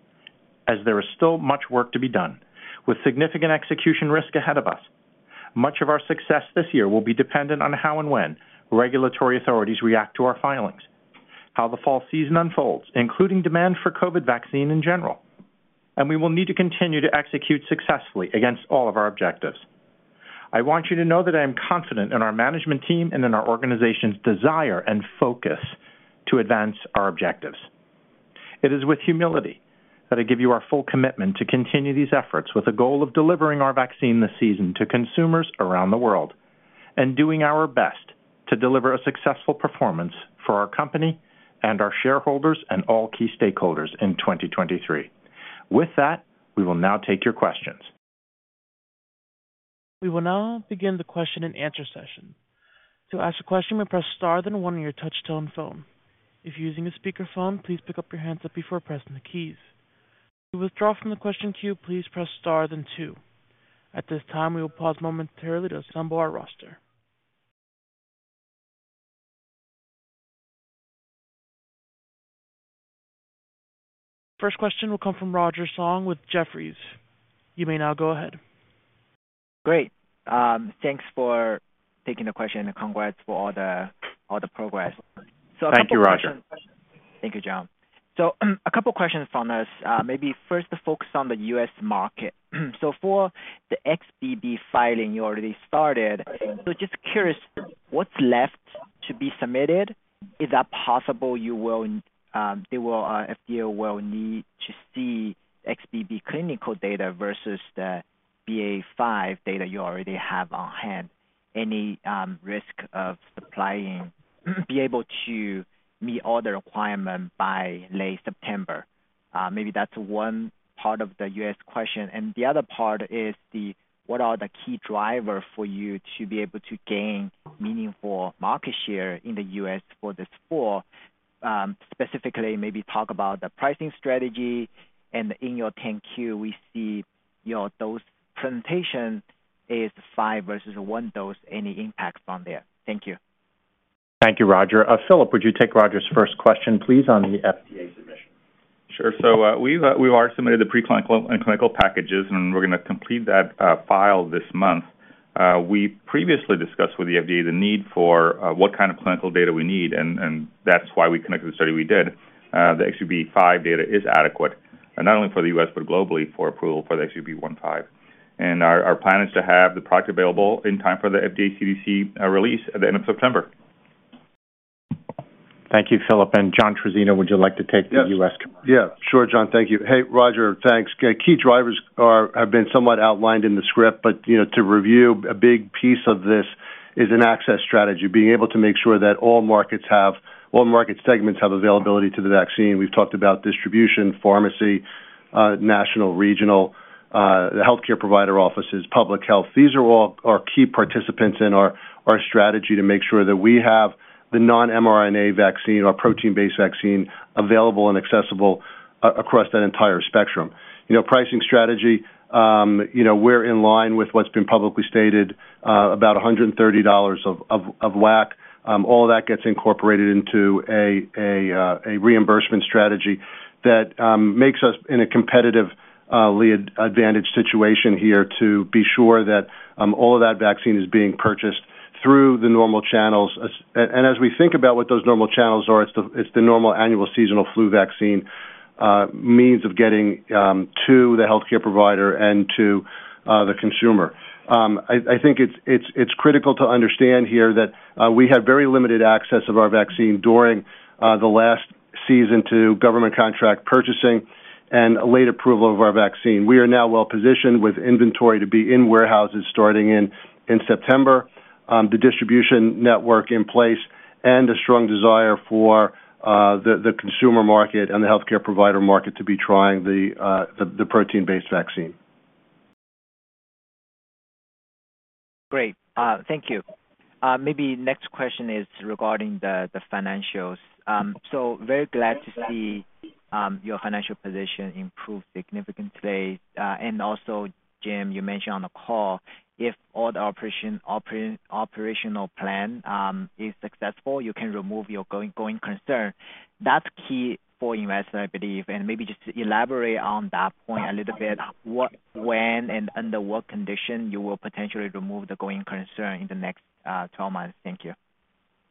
as there is still much work to be done, with significant execution risk ahead of us. Much of our success this year will be dependent on how and when regulatory authorities react to our filings, how the fall season unfolds, including demand for COVID vaccine in general, and we will need to continue to execute successfully against all of our objectives. I want you to know that I am confident in our management team and in our organization's desire and focus to advance our objectives. It is with humility that I give you our full commitment to continue these efforts with a goal of delivering our vaccine this season to consumers around the world, and doing our best to deliver a successful performance for our company and our shareholders and all key stakeholders in 2023. With that, we will now take your questions. We will now begin the question-and-answer session. To ask a question, press star then 1 on your touchtone phone. If you're using a speakerphone, please pick up your handset before pressing the keys. To withdraw from the question queue, please press star then two. At this time, we will pause momentarily to assemble our roster. First question will come from Roger Song with Jefferies. You may now go ahead. Great. Thanks for taking the question, and congrats for all the, all the progress. Thank you, Roger. Thank you, John. A couple questions from us. Maybe first to focus on the U.S. market. For the XBB filing, you already started. Just curious, what's left to be submitted? Is that possible FDA will need to see XBB clinical data versus the BA.5 data you already have on hand? Any risk of supplying, be able to meet all the requirement by late September? Maybe that's one part of the U.S. question. The other part is, what are the key driver for you to be able to gain meaningful market share in the U.S. for this fall? Specifically, maybe talk about the pricing strategy, and in your 10-Q, we see your dose presentation is five versus one dose. Any impacts on there? Thank you. Thank you, Roger. Filip, would you take Roger's first question, please, on the FDA submission? Sure. We've, we are submitted the preclinical and clinical packages, and we're gonna complete that file this month. We previously discussed with the FDA the need for what kind of clinical data we need, and, and that's why we conducted the study we did. The XBB.5 data is adequate, and not only for the U.S. but globally, for approval for the XBB.1.5. Our, our plan is to have the product available in time for the FDA CDC release at the end of September. Thank you, Filip, John Trizzino, would you like to take the US commercial? Yes. Yeah, sure, John. Thank you. Hey, Roger, thanks. Key drivers are, have been somewhat outlined in the script, but, you know, to review, a big piece of this is an access strategy, being able to make sure that all markets have, all market segments have availability to the vaccine. We've talked about distribution, pharmacy, national, regional, the healthcare provider offices, public health. These are all our key participants in our, our strategy to make sure that we have the non-mRNA vaccine, our protein-based vaccine, available and accessible across that entire spectrum. You know, pricing strategy, you know, we're in line with what's been publicly stated, about $130 of WAC. All that gets incorporated into a reimbursement strategy that makes us in a competitively advantaged situation here to be sure that all of that vaccine is being purchased through the normal channels. As we think about what those normal channels are, it's the normal annual seasonal flu vaccine means of getting to the healthcare provider and to the consumer. I think it's critical to understand here that we had very limited access of our vaccine during the last season to government contract purchasing and a late approval of our vaccine. We are now well positioned with inventory to be in warehouses starting in, in September, the distribution network in place, and a strong desire for, the, the consumer market and the healthcare provider market to be trying the the, the protein-based vaccine. Great. Thank you. Maybe next question is regarding the financials. So very glad to see your financial position improve significantly. Also, Jim, you mentioned on the call, if all the operational plan is successful, you can remove your going concern. That's key for investors, I believe. Maybe just elaborate on that point a little bit. What, when, and under what condition you will potentially remove the going concern in the next 12 months? Thank you.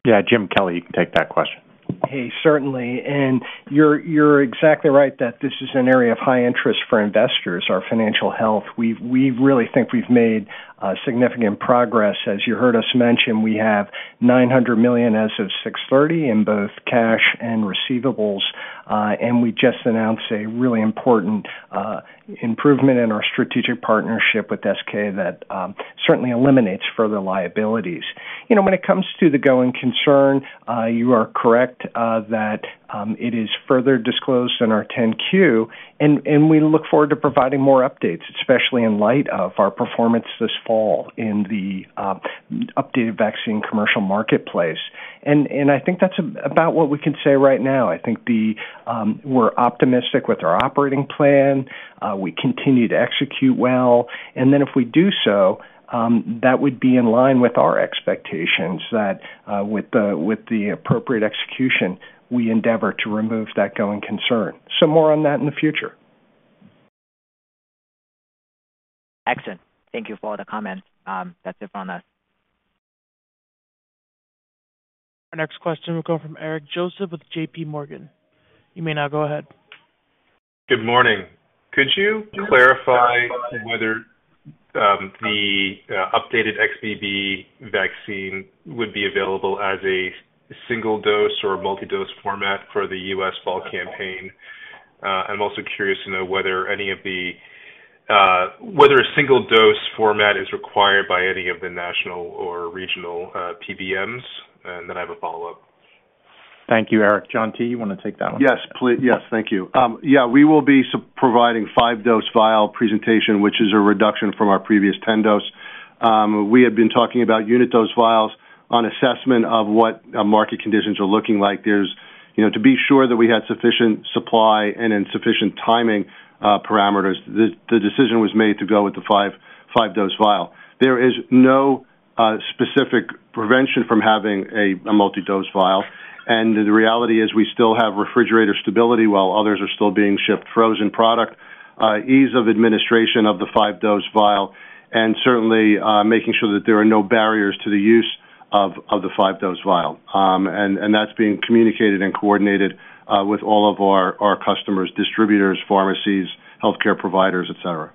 Yeah, Jim Kelly, you can take that question. Hey, certainly. You're, you're exactly right that this is an area of high interest for investors, our financial health. We've- we really think we've made significant progress. As you heard us mention, we have $900 million as of June 30 in both cash and receivables, and we just announced a really important improvement in our strategic partnership with SK that certainly eliminates further liabilities. You know, when it comes to the going concern, you are correct that it is further disclosed in our 10-Q, and, and we look forward to providing more updates, especially in light of our performance this fall in the updated vaccine commercial marketplace. And I think that's a- about what we can say right now. I think the. We're optimistic with our operating plan. We continue to execute well, and then if we do so, that would be in line with our expectations, that, with the, with the appropriate execution, we endeavor to remove that going concern. More on that in the future. Excellent. Thank you for the comment. That's it from us. Our next question will come from Eric Joseph with JPMorgan. You may now go ahead. Good morning. Could you clarify whether the updated XBB vaccine would be available as a single dose or a multi-dose format for the U.S. fall campaign? I'm also curious to know whether any of the, whether a single dose format is required by any of the national or regional PBMs. Then I have a follow-up. Thank you, Eric. John T, you want to take that one? Yes, yes, thank you. Yeah, we will be providing five-dose vial presentation, which is a reduction from our previous 10 dose. We had been talking about unit dose vials on assessment of what market conditions are looking like. There's, you know, to be sure that we had sufficient supply and in sufficient timing parameters, the decision was made to go with the five, five-dose vial. There is no specific prevention from having a multi-dose vial, and the reality is we still have refrigerator stability while others are still being shipped frozen product, ease of administration of the five-dose vial, and certainly making sure that there are no barriers to the use of the five-dose vial. And that's being communicated and coordinated with all of our customers, distributors, pharmacies, healthcare providers, et cetera.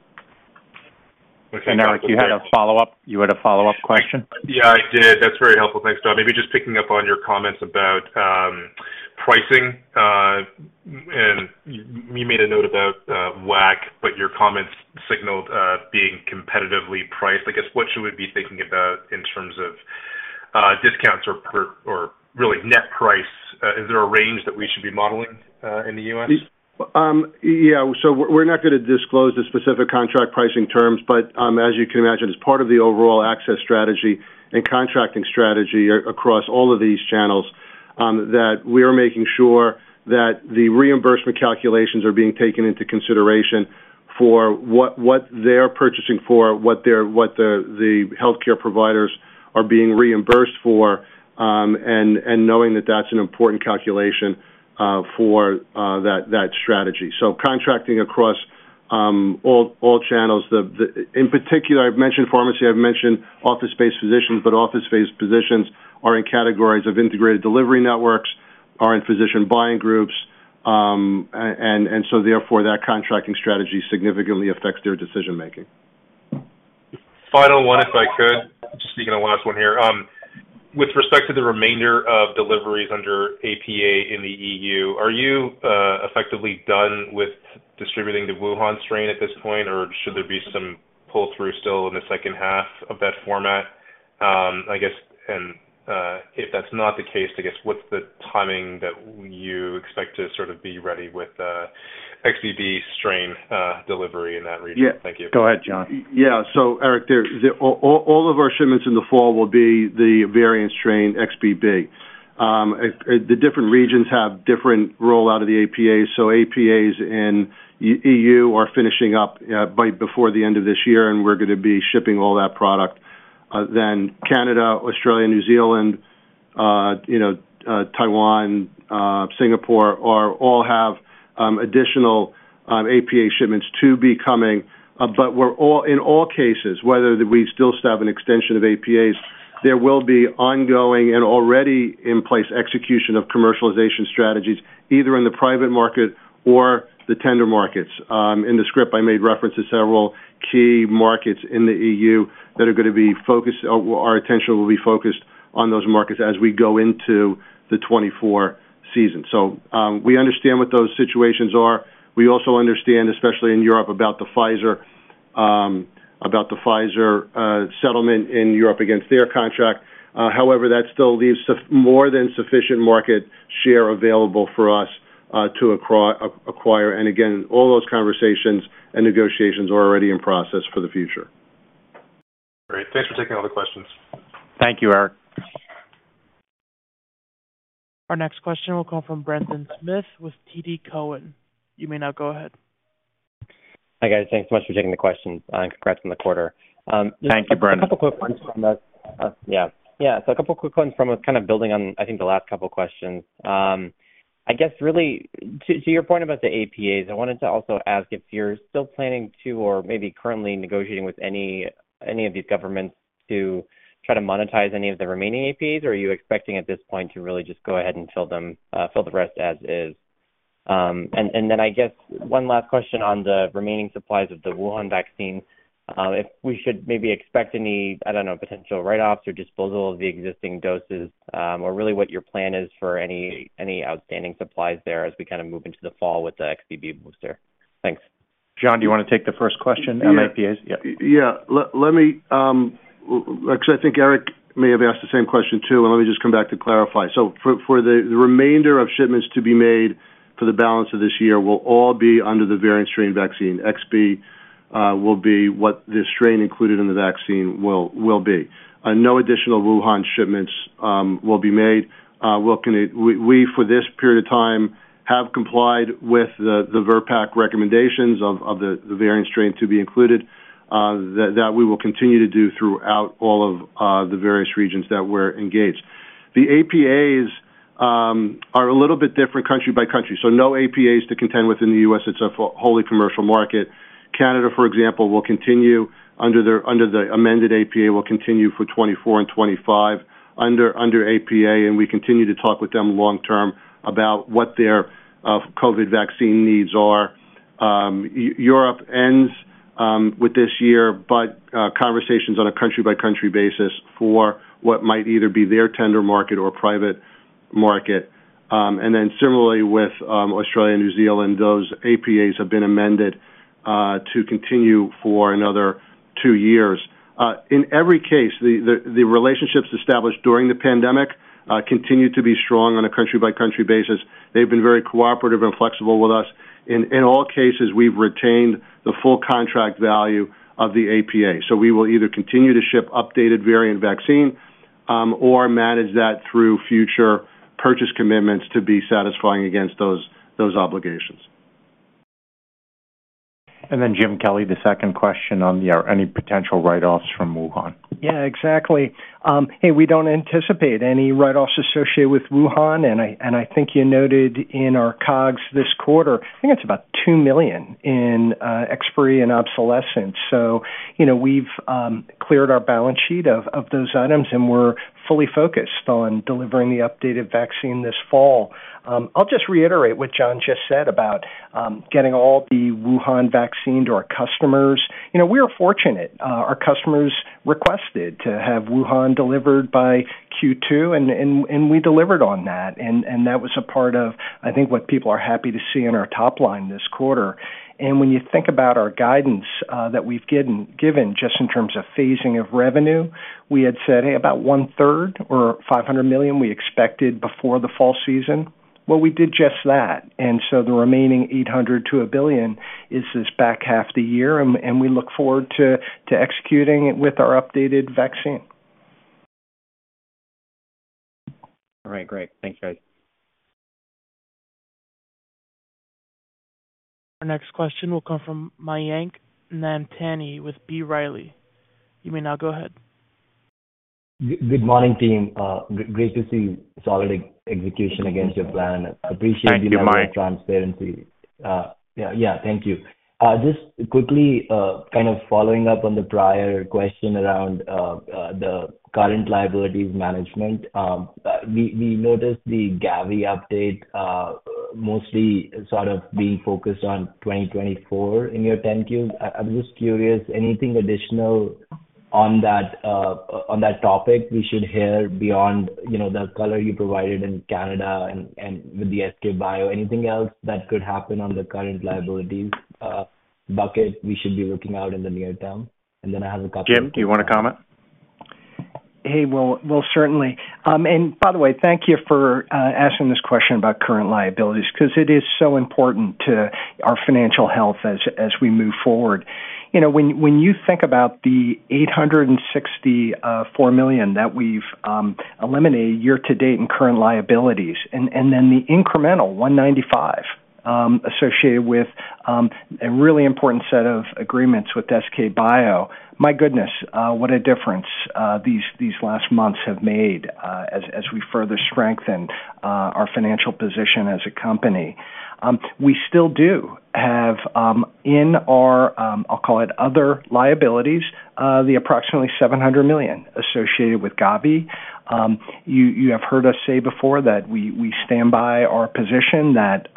Eric, you had a follow-up. You had a follow-up question? Yeah, I did. That's very helpful. Thanks, John. Maybe just picking up on your comments about pricing, and you made a note about WAC, but your comments signaled being competitively priced. I guess, what should we be thinking about in terms of discounts or per- or really net price? Is there a range that we should be modeling in the U.S.? Yeah, so we're, we're not going to disclose the specific contract pricing terms, but, as you can imagine, as part of the overall access strategy and contracting strategy across all of these channels, that we are making sure that the reimbursement calculations are being taken into consideration for what, what they're purchasing for, what they're what the healthcare providers are being reimbursed for, and, and knowing that that's an important calculation for that, that strategy. Contracting across all, all channels. In particular, I've mentioned pharmacy, I've mentioned office-based physicians, but office-based physicians are in categories of integrated delivery networks, are in physician buying groups, and, and so therefore, that contracting strategy significantly affects their decision making. Final one, if I could. Just be the last one here. With respect to the remainder of deliveries under APA in the EU, are you effectively done with distributing the Wuhan strain at this point, or should there be some pull-through still in the second half of that format? I guess, if that's not the case, I guess, what's the timing that you expect to sort of be ready with the XBB strain delivery in that region? Yeah. Thank you. Go ahead, John. Yeah. Eric, there, all, all of our shipments in the fall will be the variant strain XBB. The different regions have different rollout of the APAs. APAs in EU are finishing up by before the end of this year. We're going to be shipping all that product. Canada, Australia, New Zealand, you know, Taiwan, Singapore, are all have additional APA shipments to be coming. In all cases, whether we still have an extension of APAs, there will be ongoing and already in place execution of commercialization strategies, either in the private market or the tender markets. In the script, I made reference to several key markets in the EU that are going to be focused. Our attention will be focused on those markets as we go into the 2024 season. We understand what those situations are. We also understand, especially in Europe, about the Pfizer, about the Pfizer settlement in Europe against their contract. However, that still leaves more than sufficient market share available for us, to acquire. Again, all those conversations and negotiations are already in process for the future. Great. Thanks for taking all the questions. Thank you, Eric. Our next question will come from Brendan Smith with TD Cowen. You may now go ahead. Hi, guys. Thanks so much for taking the questions, and congrats on the quarter. Thank you, Brendan. A couple quick ones from us. A couple quick ones from us, kind of building on, I think, the last couple questions. I guess really to, to your point about the APAs, I wanted to also ask if you're still planning to or maybe currently negotiating with any, any of these governments to try to monetize any of the remaining APAs, or are you expecting at this point to really just go ahead and fill them, fill the rest as is? I guess one last question on the remaining supplies of the Wuhan vaccine. If we should maybe expect any, I don't know, potential write-offs or disposal of the existing doses, or really what your plan is for any, any outstanding supplies there as we kind of move into the fall with the XBB booster? Thanks. John, do you want to take the first question on APAs? Yeah. Yeah. Let me, actually, I think Eric may have asked the same question, too, and let me just come back to clarify. For the remainder of shipments to be made for the balance of this year will all be under the variant strain vaccine. XBB will be what this strain included in the vaccine will, will be. No additional Wuhan shipments will be made. We will, for this period of time, have complied with the VRBPAC recommendations of the variant strain to be included, that we will continue to do throughout all of the various regions that we're engaged. The APAs are a little bit different country by country, so no APAs to contend with in the US. It's a wholly commercial market. Canada, for example, will continue under their... under the amended APA, will continue for 2024 and 2025 under, under APA, and we continue to talk with them long term about what their COVID vaccine needs are. Europe ends with this year. Conversations on a country-by-country basis for what might either be their tender market or private market. Then similarly with Australia and New Zealand, those APAs have been amended to continue for another two years. In every case, the, the, the relationships established during the pandemic continue to be strong on a country-by-country basis. They've been very cooperative and flexible with us. In all cases, we've retained the full contract value of the APA. We will either continue to ship updated variant vaccine or manage that through future purchase commitments to be satisfying against those, those obligations. Then, Jim Kelly, the second question on the, are any potential write-offs from Wuhan? Yeah, exactly. Hey, we don't anticipate any write-offs associated with Wuhan, and I, and I think you noted in our COGS this quarter, I think it's about $2 million in expiry and obsolescence. You know, we've cleared our balance sheet of those items, and we're fully focused on delivering the updated vaccine this fall. I'll just reiterate what John just said about getting all the Wuhan vaccine to our customers. You know, we are fortunate. Our customers requested to have Wuhan delivered by Q2, and we delivered on that. That was a part of, I think, what people are happy to see in our top line this quarter. When you think about our guidance, that we've given, given just in terms of phasing of revenue, we had said, hey, about one-third or $500 million we expected before the fall season. Well, we did just that, and so the remaining $800 million-$1 billion is this back half the year, and we look forward to executing it with our updated vaccine. All right, great. Thanks, guys. Our next question will come from Mayank Mamtani with B. Riley. You may now go ahead. Good morning, team. Great to see solid execution against your plan. Appreciate your transparency. Yeah, yeah. Thank you. Just quickly, kind of following up on the prior question around, the current liabilities management. We, we noticed the Gavi update, mostly sort of being focused on 2024 in your 10-Q. I was just curious, anything additional on that, on that topic we should hear beyond, you know, the color you provided in Canada and, and with the SK bio? Anything else that could happen on the current liabilities, bucket we should be looking out in the near term? Then I have a couple- Jim, do you want to comment? Hey, well, well, certainly. By the way, thank you for asking this question about current liabilities, because it is so important to our financial health as, as we move forward. You know, when, when you think about the $864 million that we've eliminated year to date in current liabilities, and then the incremental $195 associated with a really important set of agreements with SK bioscience, my goodness, what a difference these, these last months have made as, as we further strengthen our financial position as a company. We still do have in our, I'll call it other liabilities, the approximately $700 million associated with Gavi. You, you have heard us say before that we, we stand by our position that,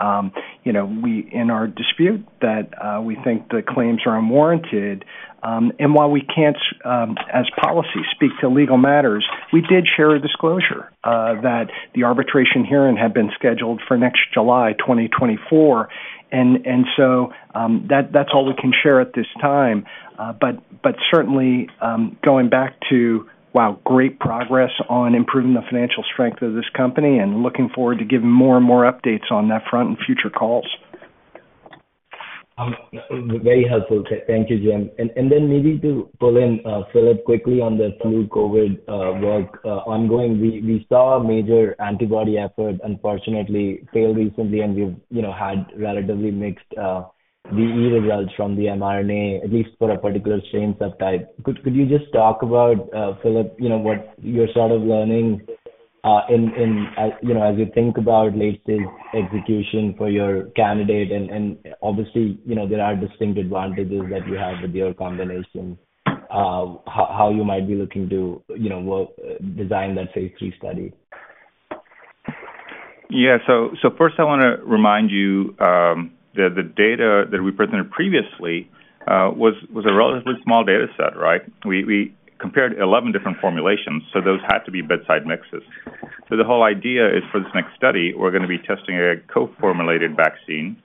you know, we, in our dispute, that we think the claims are unwarranted. While we can't, as policy speak to legal matters, we did share a disclosure that the arbitration hearing had been scheduled for next July 2024. That, that's all we can share at this time. But certainly, going back to, wow, great progress on improving the financial strength of this company and looking forward to giving more and more updates on that front in future calls. Very helpful. Thank you, Jim. Then maybe to pull in Filip quickly on the flu COVID work ongoing. We saw a major antibody effort unfortunately fail recently, and we've, you know, had relatively mixed VE results from the mRNA, at least for a particular strain subtype. Could you just talk about Filip, you know, what you're sort of learning in, in, as you know, as you think about latest execution for your candidate? Obviously, you know, there are distinct advantages that you have with your combination, how you might be looking to, you know, well, design that phase III study? First I want to remind you that the data that we presented previously was a relatively small data set, right? We compared 11 different formulations, so those had to be bedside mixes. The whole idea is for this next study, we're going to be testing a co-formulated vaccine,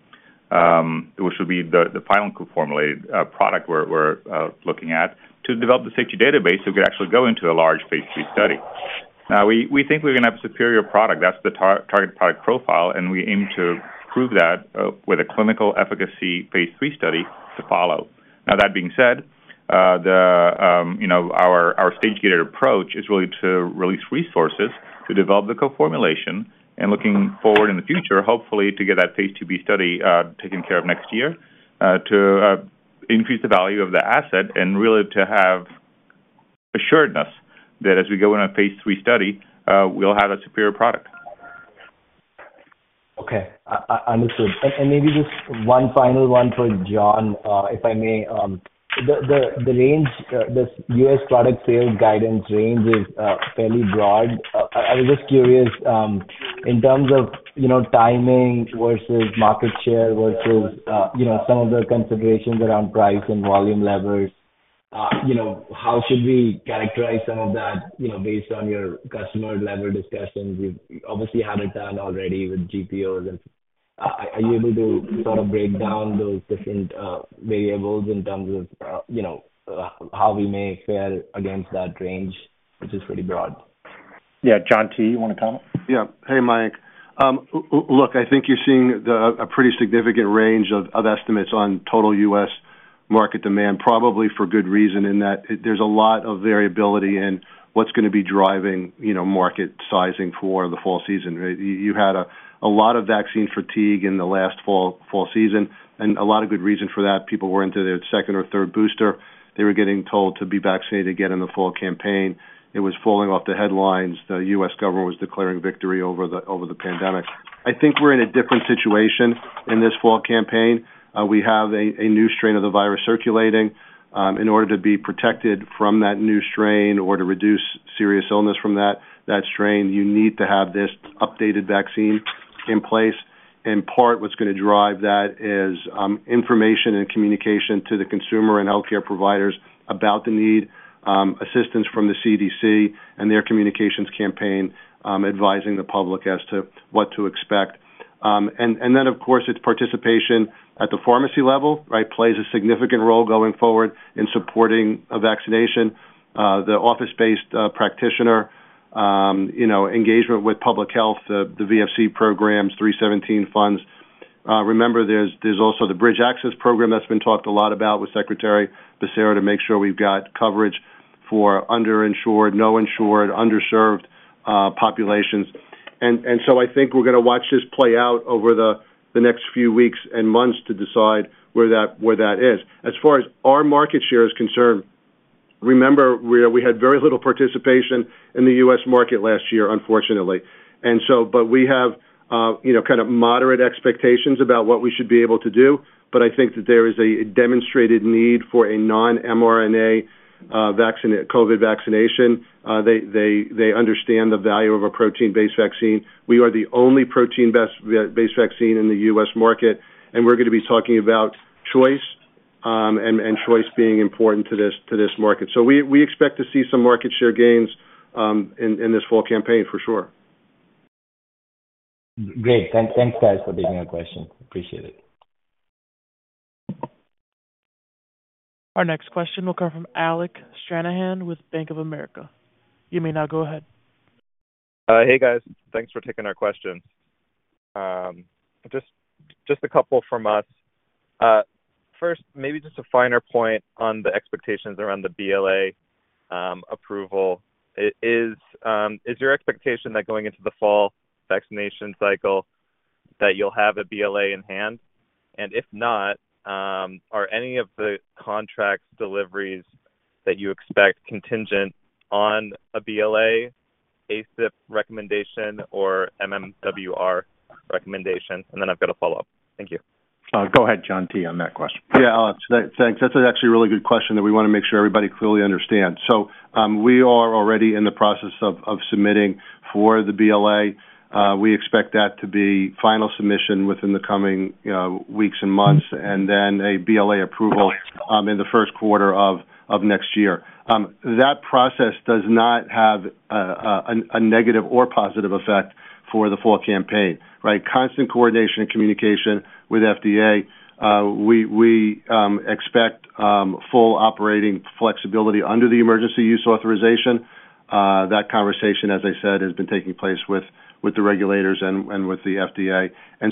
which will be the final co-formulated product we're looking at, to develop the safety database, so we could actually go into a large phase III study. Now, we think we're going to have a superior product. That's the target product profile, and we aim to prove that with a clinical efficacy phase III study to follow. Now, that being said, you know, our, our stage-gated approach is really to release resources to develop the co-formulation and looking forward in the future, hopefully to get that phase IIb study, taken care of next year, to increase the value of the asset and really to have assuredness that as we go in a phase III study, we'll have a superior product. Okay, understood. Maybe just one final one for John, if I may. The, the, the range, the U.S. product sales guidance range is fairly broad. I was just curious, in terms of, you know, timing versus market share, versus, you know, some of the considerations around price and volume levels, you know, how should we characterize some of that, you know, based on your customer level discussions? You obviously have it done already with GPOs, and, are you able to sort of break down those different variables in terms of, you know, how we may fare against that range, which is pretty broad? Yeah. John T, you want to comment? Yeah. Hey, Mayank. Look, I think you're seeing a pretty significant range of estimates on total US market demand, probably for good reason, in that there's a lot of variability in what's going to be driving, you know, market sizing for the fall season. You had a lot of vaccine fatigue in the last fall season, and a lot of good reason for that. People were into their second or third booster. They were getting told to be vaccinated again in the fall campaign. It was falling off the headlines. The US government was declaring victory over the pandemic. I think we're in a different situation in this fall campaign. We have a new strain of the virus circulating. In order to be protected from that new strain or to reduce serious illness from that, that strain, you need to have this updated vaccine in place. In part, what's going to drive that is information and communication to the consumer and healthcare providers about the need, assistance from the CDC and their communications campaign, advising the public as to what to expect. Then, of course, it's participation at the pharmacy level, right? Plays a significant role going forward in supporting a vaccination. The office-based practitioner, you know, engagement with public health, the VFC programs, 317 funds. Remember, there's, there's also the Bridge Access program that's been talked a lot about with Secretary Becerra, to make sure we've got coverage for underinsured, no insured, underserved populations. I think we're going to watch this play out over the next few weeks and months to decide where that is. As far as our market share is concerned, remember, we had very little participation in the U.S. market last year, unfortunately. We have, you know, kind of moderate expectations about what we should be able to do. I think that there is a demonstrated need for a non-mRNA vaccine, COVID vaccination. They understand the value of a protein-based vaccine. We are the only protein-based vaccine in the U.S. market, and we're going to be talking about choice, and choice being important to this, to this market. We expect to see some market share gains in this fall campaign for sure. Great. Thanks, guys, for taking our question. Appreciate it. Our next question will come from Alec Stranahan with Bank of America. You may now go ahead. Hey, guys. Thanks for taking our questions. Just, just a couple from us. First, maybe just a finer point on the expectations around the BLA approval. Is your expectation that going into the fall vaccination cycle, that you'll have a BLA in hand? If not, are any of the contracts deliveries that you expect contingent on a BLA, ACIP recommendation or MMWR recommendation? Then I've got a follow-up. Thank you. Go ahead, John T., on that question. Alec, thanks. That's actually a really good question that we want to make sure everybody clearly understands. We are already in the process of submitting for the BLA. We expect that to be final submission within the coming, you know, weeks and months, and then a BLA approval in the 1st quarter of next year. That process does not have a negative or positive effect for the fall campaign, right? Constant coordination and communication with FDA. We expect full operating flexibility under the emergency use authorization. That conversation, as I said, has been taking place with the regulators and with the FDA.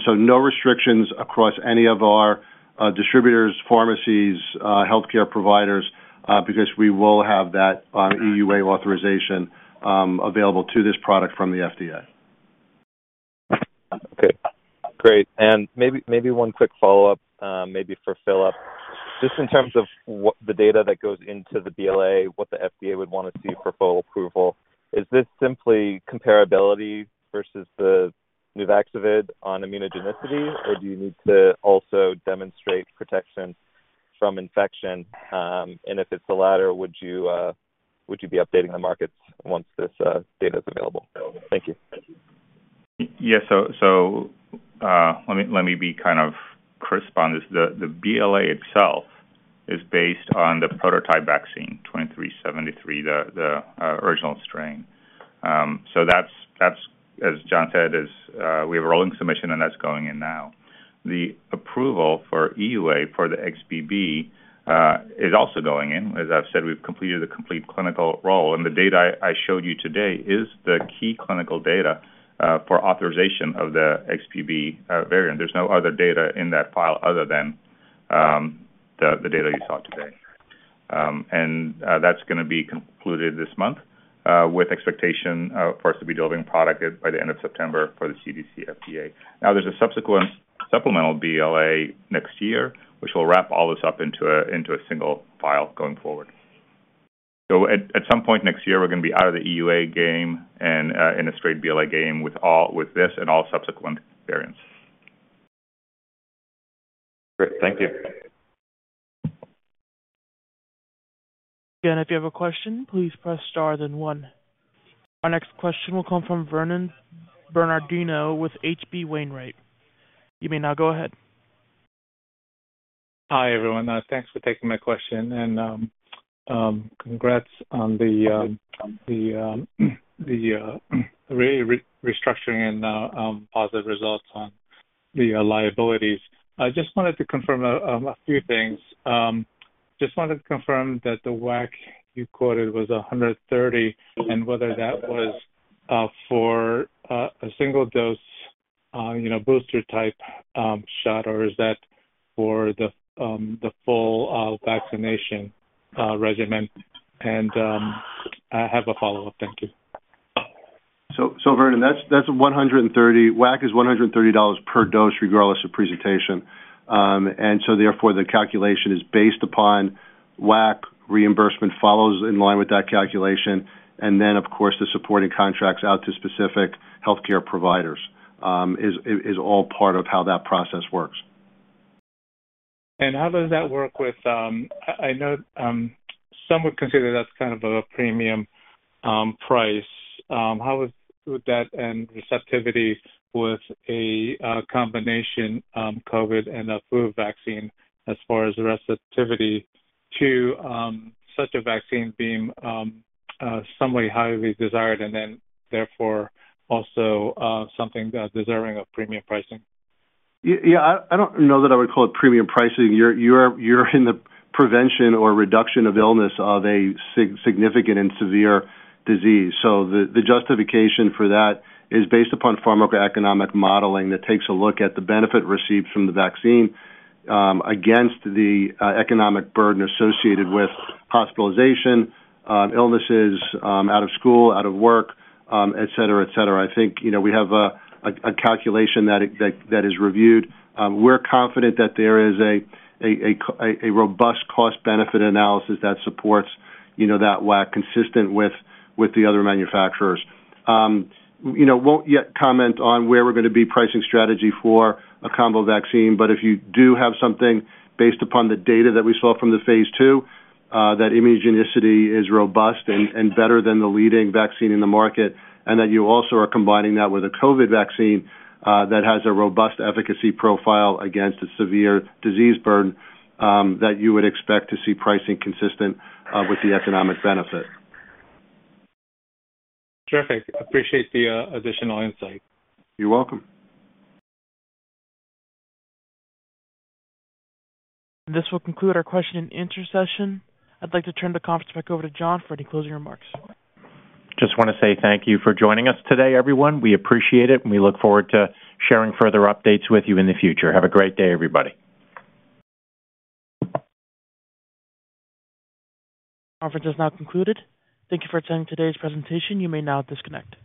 No restrictions across any of our distributors, pharmacies, healthcare providers, because we will have that EUA authorization available to this product from the FDA. Okay, great. maybe, maybe one quick follow-up, maybe for Filip. Just in terms of what the data that goes into the BLA, what the FDA would want to see for full approval, is this simply comparability versus the Nuvaxovid on immunogenicity, or do you need to also demonstrate protection from infection? If it's the latter, would you be updating the markets once this data is available? Thank you. Yes. Let me, let me be kind of crisp on this. The BLA itself is based on the prototype Vaccine 2373, the original strain. That's, that's as John said, is, we have a rolling submission, and that's going in now. The approval for EUA for the XBB is also going in. As I've said, we've completed a complete clinical role, and the data I, I showed you today is the key clinical data for authorization of the XBB variant. There's no other data in that file other than the data you saw today. That's gonna be concluded this month with expectation for us to be delivering product by the end of September for the CDC FDA. There's a subsequent supplemental BLA next year, which will wrap all this up into a, into a single file going forward. At, at some point next year, we're gonna be out of the EUA game and in a straight BLA game with all- with this and all subsequent variants. Great. Thank you. If you have a question, please press star then one. Our next question will come from Vernon Bernardino with H.C. Wainwright. You may now go ahead. Hi, everyone. Thanks for taking my question, and congrats on the restructuring and positive results on the liabilities. I just wanted to confirm a few things. Just wanted to confirm that the WAC you quoted was 130, and whether that was for a single dose, you know, booster type shot, or is that for the full vaccination regimen? I have a follow-up. Thank you. Vernon, that's 130. WAC is $130 per dose, regardless of presentation. Therefore, the calculation is based upon WAC reimbursement, follows in line with that calculation, and then, of course, the supporting contracts out to specific healthcare providers, is all part of how that process works. How does that work with...? I, I know, some would consider that's kind of a premium price. How would that and receptivity with a combination COVID and a flu vaccine as far as receptivity to such a vaccine being somewhat highly desired and then therefore also something deserving of premium pricing? Yeah, I, I don't know that I would call it premium pricing. You're, you're, you're in the prevention or reduction of illness of a significant and severe disease. The, the justification for that is based upon pharmacoeconomic modeling that takes a look at the benefit received from the vaccine, against the economic burden associated with hospitalization, illnesses, out of school, out of work, etc., etc. I think, you know, we have a calculation that is reviewed. We're confident that there is a robust cost-benefit analysis that supports, you know, that WAC consistent with, with the other manufacturers. you know, won't yet comment on where we're gonna be pricing strategy for a combo vaccine, but if you do have something based upon the data that we saw from the phase II, that immunogenicity is robust and, and better than the leading vaccine in the market, and that you also are combining that with a COVID vaccine, that has a robust efficacy profile against a severe disease burden, that you would expect to see pricing consistent, with the economic benefit. Terrific. Appreciate the additional insight. You're welcome. This will conclude our question and answer session. I'd like to turn the conference back over to John for any closing remarks. Just want to say thank you for joining us today, everyone. We appreciate it, and we look forward to sharing further updates with you in the future. Have a great day, everybody. Conference is now concluded. Thank you for attending today's presentation. You may now disconnect.